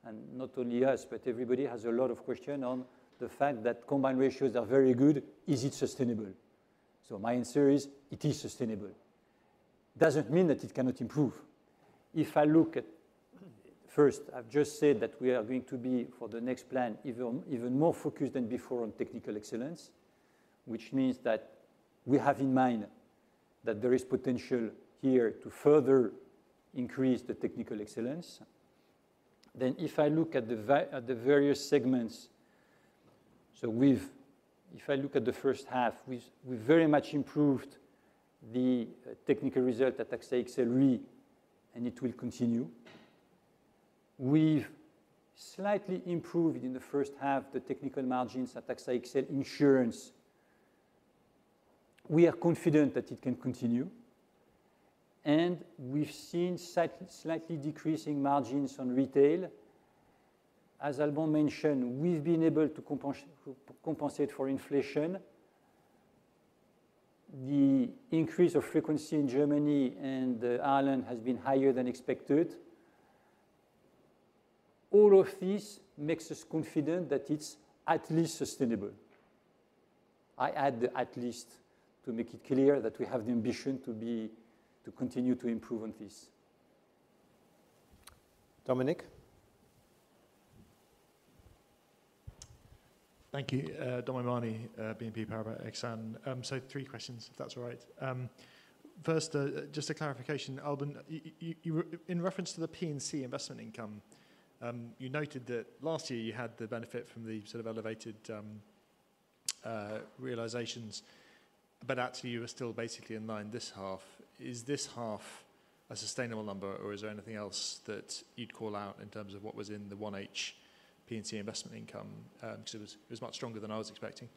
and not only us, but everybody has a lot of question on the fact that combined ratios are very good. Is it sustainable? My answer is, it is sustainable. Doesn't mean that it cannot improve. If I look at... First, I've just said that we are going to be, for the next plan, even, even more focused than before on technical excellence, which means that we have in mind that there is potential here to further increase the technical excellence. If I look at the various segments. If I look at the first half, we've, we've very much improved the technical result at AXA XL Re. It will continue. We've slightly improved, in the first half, the technical margins at AXA XL Insurance. We are confident that it can continue, we've seen slightly decreasing margins on retail. As Alban mentioned, we've been able to compensate for inflation. The increase of frequency in Germany and Ireland has been higher than expected. All of this makes us confident that it's at least sustainable. I add at least to make it clear that we have the ambition to be, to continue to improve on this. Dominic? Thank you. Dominic O'Mahony, BNP Paribas Exane. Three questions, if that's all right. First, just a clarification. Alban de Mailly Nesle, in reference to the P&C investment income, you noted that last year you had the benefit from the sort of elevated realizations, but actually, you are still basically in line this half. Is this half a sustainable number, or is there anything else that you'd call out in terms of what was in the 1H P&C investment income? Because it was, it was much stronger than I was expecting.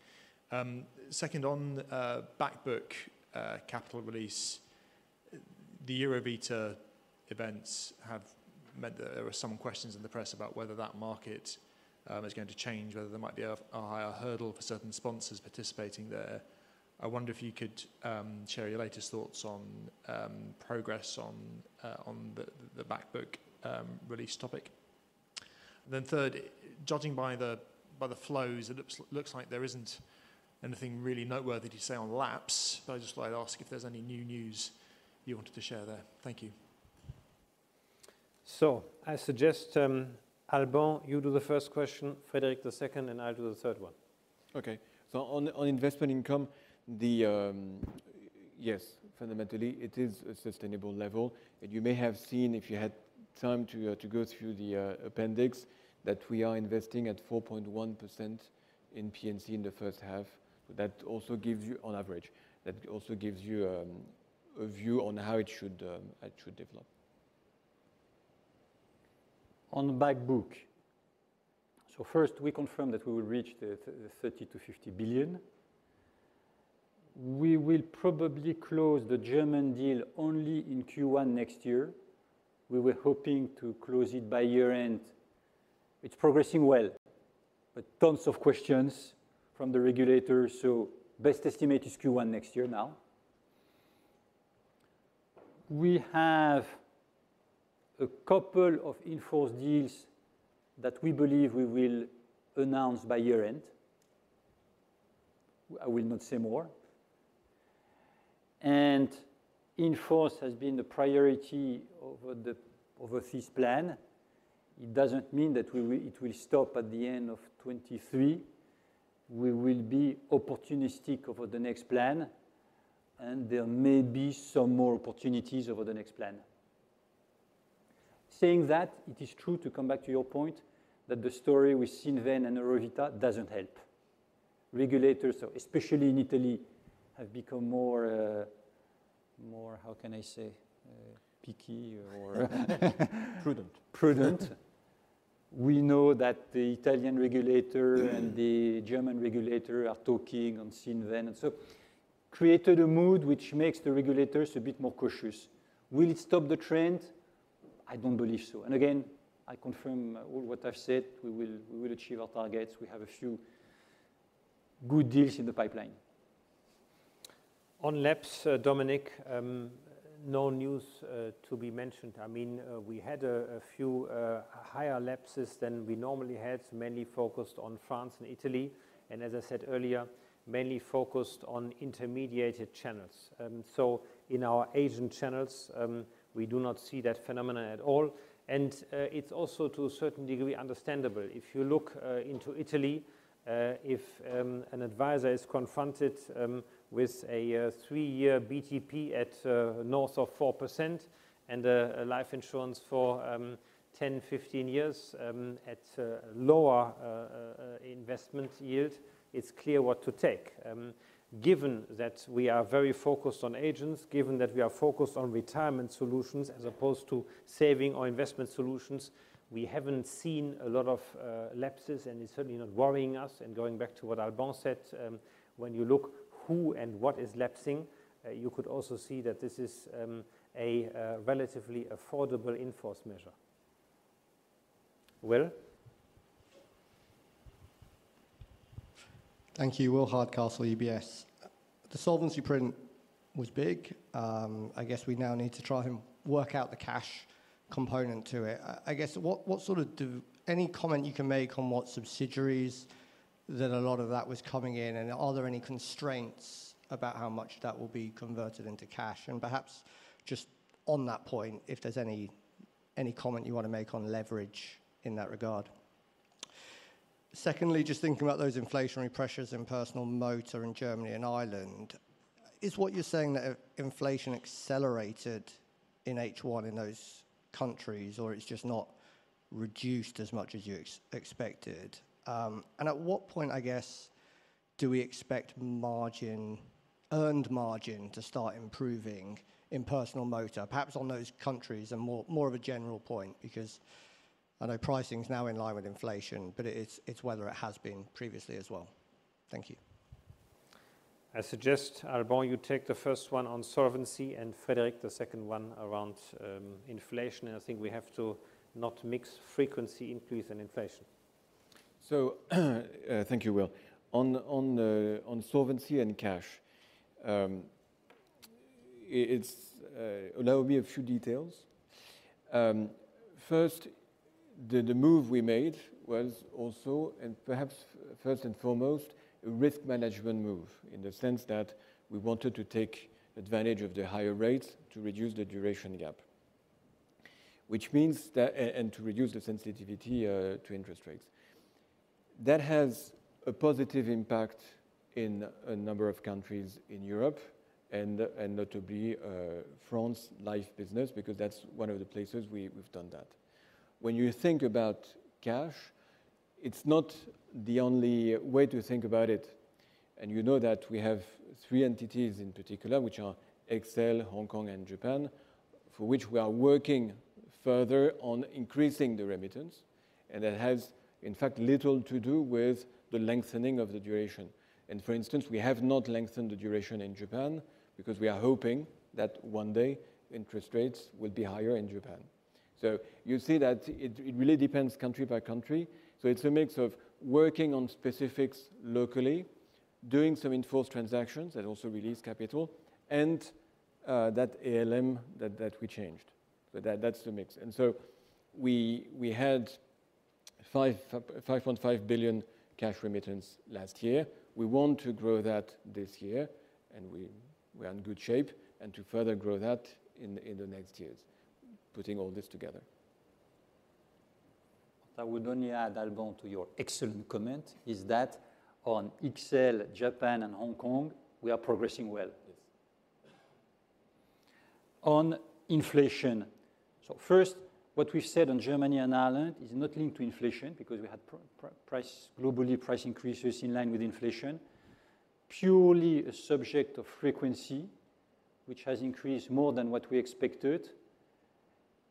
Second, on back book, capital release, the Eurovita events have meant that there are some questions in the press about whether that market is going to change, whether there might be a higher hurdle for certain sponsors participating there. I wonder if you could share your latest thoughts on progress on the, the back book release topic. Third, judging by the, by the flows, it looks, looks like there isn't anything really noteworthy to say on laps, but I just wanted to ask if there's any new news you wanted to share there. Thank you. I suggest, Alban, you do the first question, Frédéric, the second, and I'll do the third one. Okay. on, on investment income, the yes, fundamentally, it is a sustainable level. You may have seen, if you had time to go through the appendix, that we are investing at 4.1% in P&C in the first half. That also gives you on average, that also gives you a view on how it should, it should develop. On back book. First, we confirm that we will reach the $30 billion-$50 billion. We will probably close the German deal only in Q1 next year. We were hoping to close it by year-end. It's progressing well, but tons of questions from the regulators, so best estimate is Q1 next year now. We have a couple of in-force deals that we believe we will announce by year-end. I will not say more. In-force has been the priority over this plan. It doesn't mean that we will it will stop at the end of 2023. We will be opportunistic over the next plan, and there may be some more opportunities over the next plan. Saying that, it is true, to come back to your point, that the story with Cinven and Eurovita doesn't help. Regulators, especially in Italy, have become more, more, how can I say? picky or Prudent. Prudent. We know that the Italian regulator and the German regulator are talking on Cinven, and so created a mood which makes the regulators a bit more cautious. Will it stop the trend? I don't believe so. Again, I confirm all what I've said. We will achieve our targets. We have a few good deals in the pipeline. On laps, Dominic, no news to be mentioned. I mean, we had a few higher lapses than we normally had, mainly focused on France and Italy, and as I said earlier, mainly focused on intermediated channels. So in our Asian channels, we do not see that phenomena at all, and it's also to a certain degree, understandable. If you look into Italy, if an advisor is confronted with a 3-year BTP at north of 4% and a life insurance for 10 years, 15 years, at lower investment yield, it's clear what to take. Given that we are very focused on agents, given that we are focused on retirement solutions as opposed to saving or investment solutions, we haven't seen a lot of lapses, and it's certainly not worrying us. Going back to what Alban said, when you look who and what is lapsing, you could also see that this is a relatively affordable in-force measure. Will? Thank you. Will Hardcastle, UBS. The solvency print was big. I guess we now need to try and work out the cash component to it. I guess, any comment you can make on what subsidiaries that a lot of that was coming in, and are there any constraints about how much that will be converted into cash? Perhaps just on that point, if there's any comment you want to make on leverage in that regard. Secondly, just thinking about those inflationary pressures in personal motor in Germany and Ireland, is what you're saying that inflation accelerated in H1 in those countries, or it's just not reduced as much as you expected? At what point, I guess, do we expect margin, earned margin to start improving in personal motor, perhaps on those countries and more, more of a general point? I know pricing is now in line with inflation, but it's whether it has been previously as well. Thank you. I suggest, Alban, you take the first one on solvency and Frederic, the second one around, inflation. I think we have to not mix frequency increase and inflation. Thank you, Will. On, on, on solvency and cash, it's. Allow me a few details. First, the, the move we made was also, and perhaps first and foremost, a risk management move, in the sense that we wanted to take advantage of the higher rates to reduce the duration gap, which means that. And to reduce the sensitivity to interest rates. That has a positive impact in a number of countries in Europe and, and notably, France life business, because that's one of the places we, we've done that. When you think about cash, it's not the only way to think about it, you know that we have three entities in particular, which are XL, Hong Kong, and Japan, for which we are working further on increasing the remittance, it has, in fact, little to do with the lengthening of the duration. For instance, we have not lengthened the duration in Japan because we are hoping that one day interest rates will be higher in Japan. You see that it, it really depends country by country. It's a mix of working on specifics locally, doing some in-force transactions that also release capital, and that ALM that, that we changed. That, that's the mix. We, we had 5.5 billion cash remittance last year. We want to grow that this year, and we, we are in good shape and to further grow that in, in the next years, putting all this together. I would only add, Alban, to your excellent comment, is that on XL, Japan, and Hong Kong, we are progressing well. Yes. On inflation, first, what we've said on Germany and Ireland is not linked to inflation because we had price, globally price increases in line with inflation. Purely a subject of frequency, which has increased more than what we expected,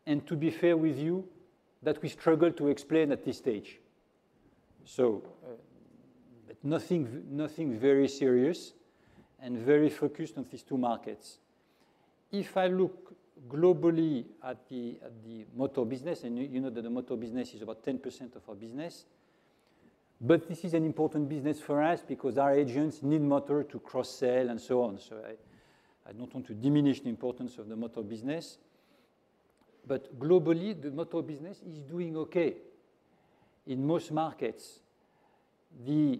and to be fair with you, that we struggle to explain at this stage. Nothing, nothing very serious and very focused on these two markets. If I look globally at the, at the motor business, and you, you know that the motor business is about 10% of our business, but this is an important business for us because our agents need motor to cross-sell and so on. I, I don't want to diminish the importance of the motor business, but globally, the motor business is doing okay in most markets. The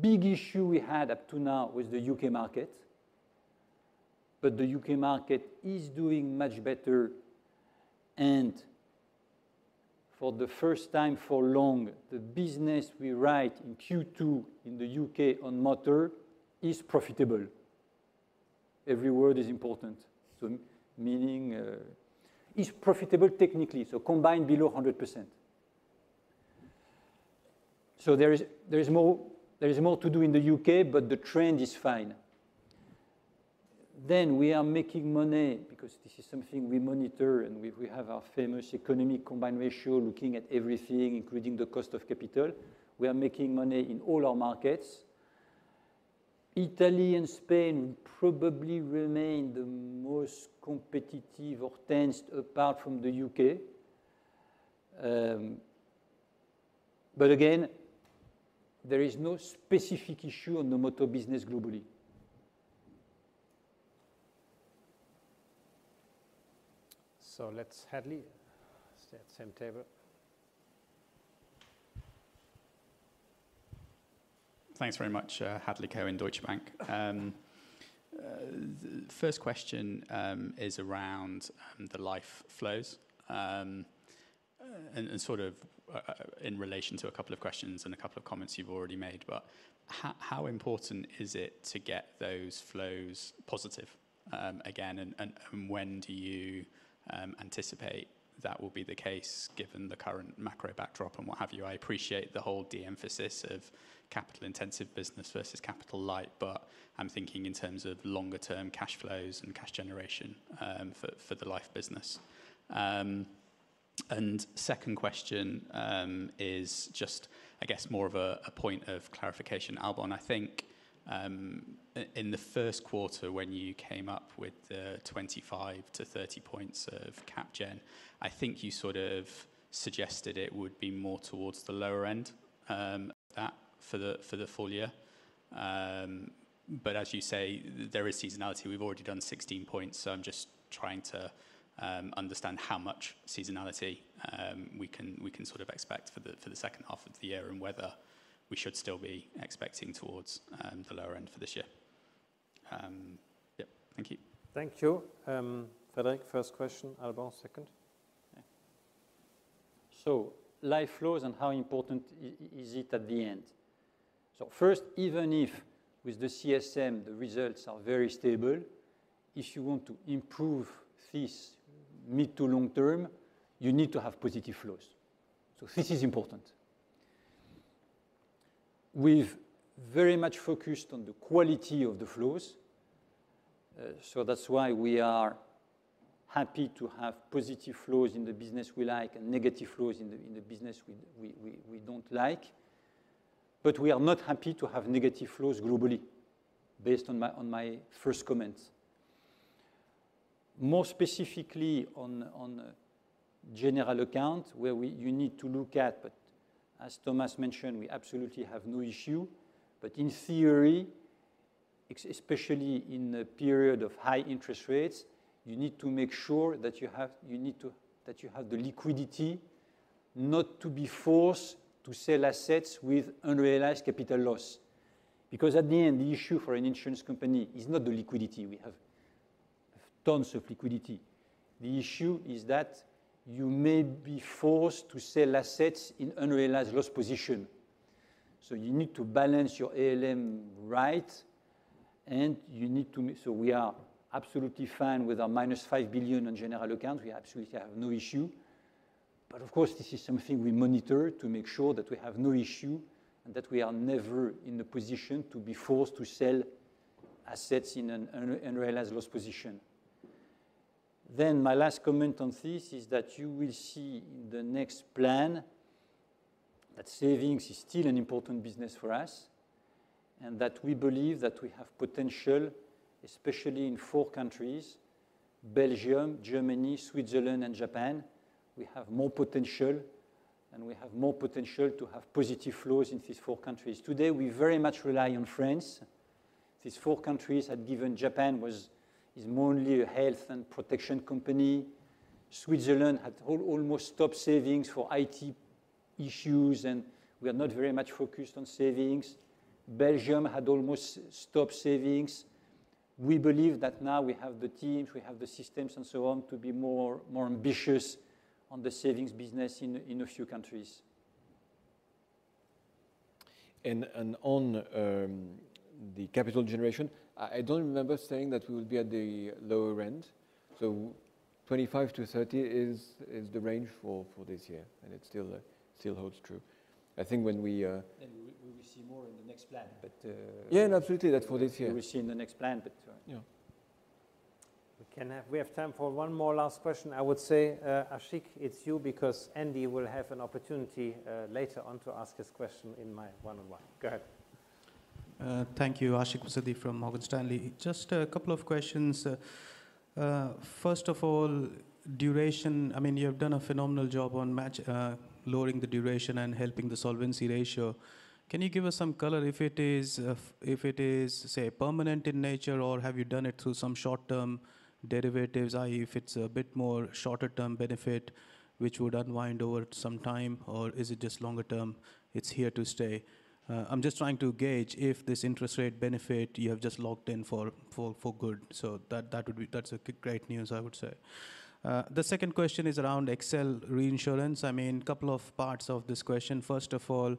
big issue we had up to now was the U.K. market, but the U.K. market is doing much better, and for the first time for long, the business we write in Q2 in the U.K. on motor is profitable. Every word is important. Meaning, is profitable technically, so combined below 100%. There is, there is more, there is more to do in the U.K., but the trend is fine. We are making money because this is something we monitor, and we, we have our famous economic combined ratio, looking at everything, including the cost of capital. We are making money in all our markets. Italy and Spain probably remain the most competitive or tensed apart from the U.K. Again, there is no specific issue on the motor business globally. Let's Hadley stay at same table. Thanks very much. Hadley Cohen, Deutsche Bank. First question is around the life flows. And sort of, in relation to a couple of questions and a couple of comments you've already made, but how important is it to get those flows positive again, and, and when do you anticipate that will be the case, given the current macro backdrop and what have you? I appreciate the whole de-emphasis of capital-intensive business versus capital light, but I'm thinking in terms of longer-term cash flows and cash generation for the life business. Second question is just, I guess, more of a point of clarification. Alban, I think, in the first quarter, when you came up with the 25-30 points of cap gen, I think you sort of suggested it would be more towards the lower end, that for the, for the full year. As you say, there is seasonality. We've already done 16 points, so I'm just trying to understand how much seasonality we can, we can sort of expect for the, for the second half of the year and whether we should still be expecting towards the lower end for this year. Yep. Thank you. Thank you. Frederic, first question, Alban, second. Life flows and how important is it at the end? First, even if with the CSM, the results are very stable, if you want to improve this mid to long term, you need to have positive flows. This is important. We've very much focused on the quality of the flows, so that's why we are happy to have positive flows in the business we like and negative flows in the, in the business we, we, we, we don't like. We are not happy to have negative flows globally, based on my, on my first comments. More specifically, on, on general account, where we you need to look at, but as Thomas mentioned, we absolutely have no issue, but in theory, especially in a period of high interest rates, you need to make sure that you have... You need to that you have the liquidity not to be forced to sell assets with unrealized capital loss. At the end, the issue for an insurance company is not the liquidity. We have tons of liquidity. The issue is that you may be forced to sell assets in unrealized loss position. You need to balance your ALM right, and you need to make so we are absolutely fine with our -5 billion in general account. We absolutely have no issue. Of course, this is something we monitor to make sure that we have no issue and that we are never in a position to be forced to sell assets in an unrealized loss position. My last comment on this is that you will see in the next plan that savings is still an important business for us, and that we believe that we have potential, especially in four countries: Belgium, Germany, Switzerland, and Japan. We have more potential, and we have more potential to have positive flows in these four countries. Today, we very much rely on France. These four countries had given Japan was, is more only a health and protection company. Switzerland had almost stopped savings for IT issues. We are not very much focused on savings. Belgium had almost stopped savings. We believe that now we have the teams, we have the systems, and so on, to be more, more ambitious on the savings business in, in a few countries. On the capital generation, I, I don't remember saying that we would be at the lower end. 25-30 is the range for this year. It still holds true. I think when we. We will see more in the next plan. Yeah, absolutely, that's for this year. We will see in the next plan. Yeah. We have time for one more last question. I would say, Ashik, it's you, because Andy will have an opportunity, later on to ask his question in my one-on-one. Go ahead. Thank you. Ashik Musaddi from Morgan Stanley. Just a couple of questions. First of all, duration, I mean, you have done a phenomenal job on match-- lowering the duration and helping the Solvency ratio. Can you give us some color if it is, if it is, say, permanent in nature, or have you done it through some short-term derivatives, i.e., if it's a bit more shorter-term benefit, which would unwind over some time, or is it just longer term, it's here to stay? I'm just trying to gauge if this interest rate benefit you have just locked in for, for, for good. That would be... That's a great news, I would say. The second question is around XL Reinsurance. I mean, couple of parts of this question. First of all,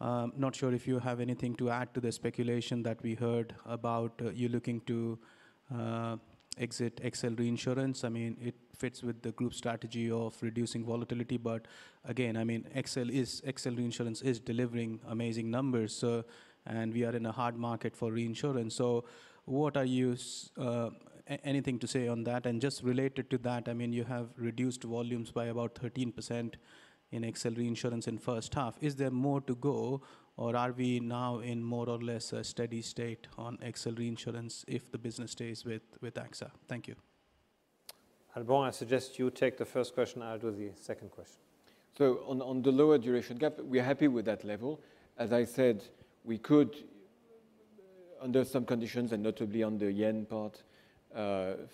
not sure if you have anything to add to the speculation that we heard about, you looking to exit XL Reinsurance. I mean, it fits with the group strategy of reducing volatility, but again, I mean, XL is, XL Reinsurance is delivering amazing numbers, so, and we are in a hard market for reinsurance. What are you, anything to say on that? Just related to that, I mean, you have reduced volumes by about 13% in XL Reinsurance in first half. Is there more to go, or are we now in more or less a steady state on XL Reinsurance if the business stays with, with AXA? Thank you. Alban, I suggest you take the first question, I'll do the second question. On, on the lower duration gap, we are happy with that level. As I said, we could, under some conditions, and notably on the yen part,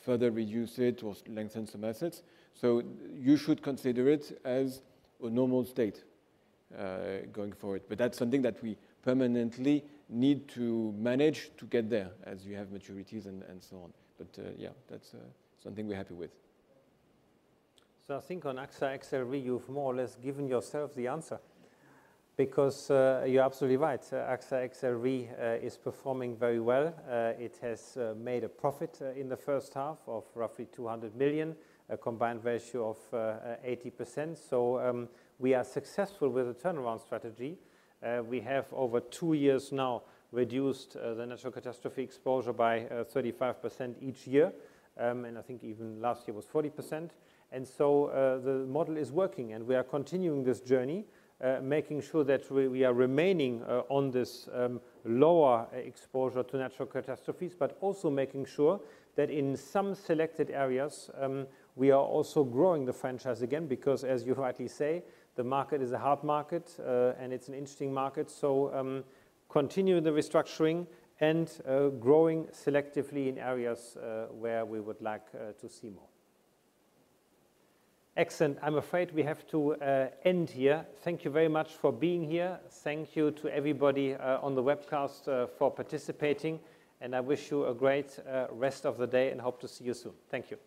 further reduce it or lengthen some assets. You should consider it as a normal state, going forward. That's something that we permanently need to manage to get there, as you have maturities and, and so on. Yeah, that's, something we're happy with. I think on AXA XL Re, you've more or less given yourself the answer because you're absolutely right. AXA XL Re is performing very well. It has made a profit in the first half of roughly 200 million, a combined ratio of 80%. We are successful with the turnaround strategy. We have over two years now reduced the natural catastrophe exposure by 35% each year. I think even last year was 40%. The model is working and we are continuing this journey, making sure that we, we are remaining on this lower exposure to natural catastrophes, but also making sure that in some selected areas, we are also growing the franchise again, because as you rightly say, the market is a hard market, and it's an interesting market. Continuing the restructuring and growing selectively in areas where we would like to see more. Excellent. I'm afraid we have to end here. Thank you very much for being here. Thank you to everybody on the webcast for participating, and I wish you a great rest of the day and hope to see you soon. Thank you.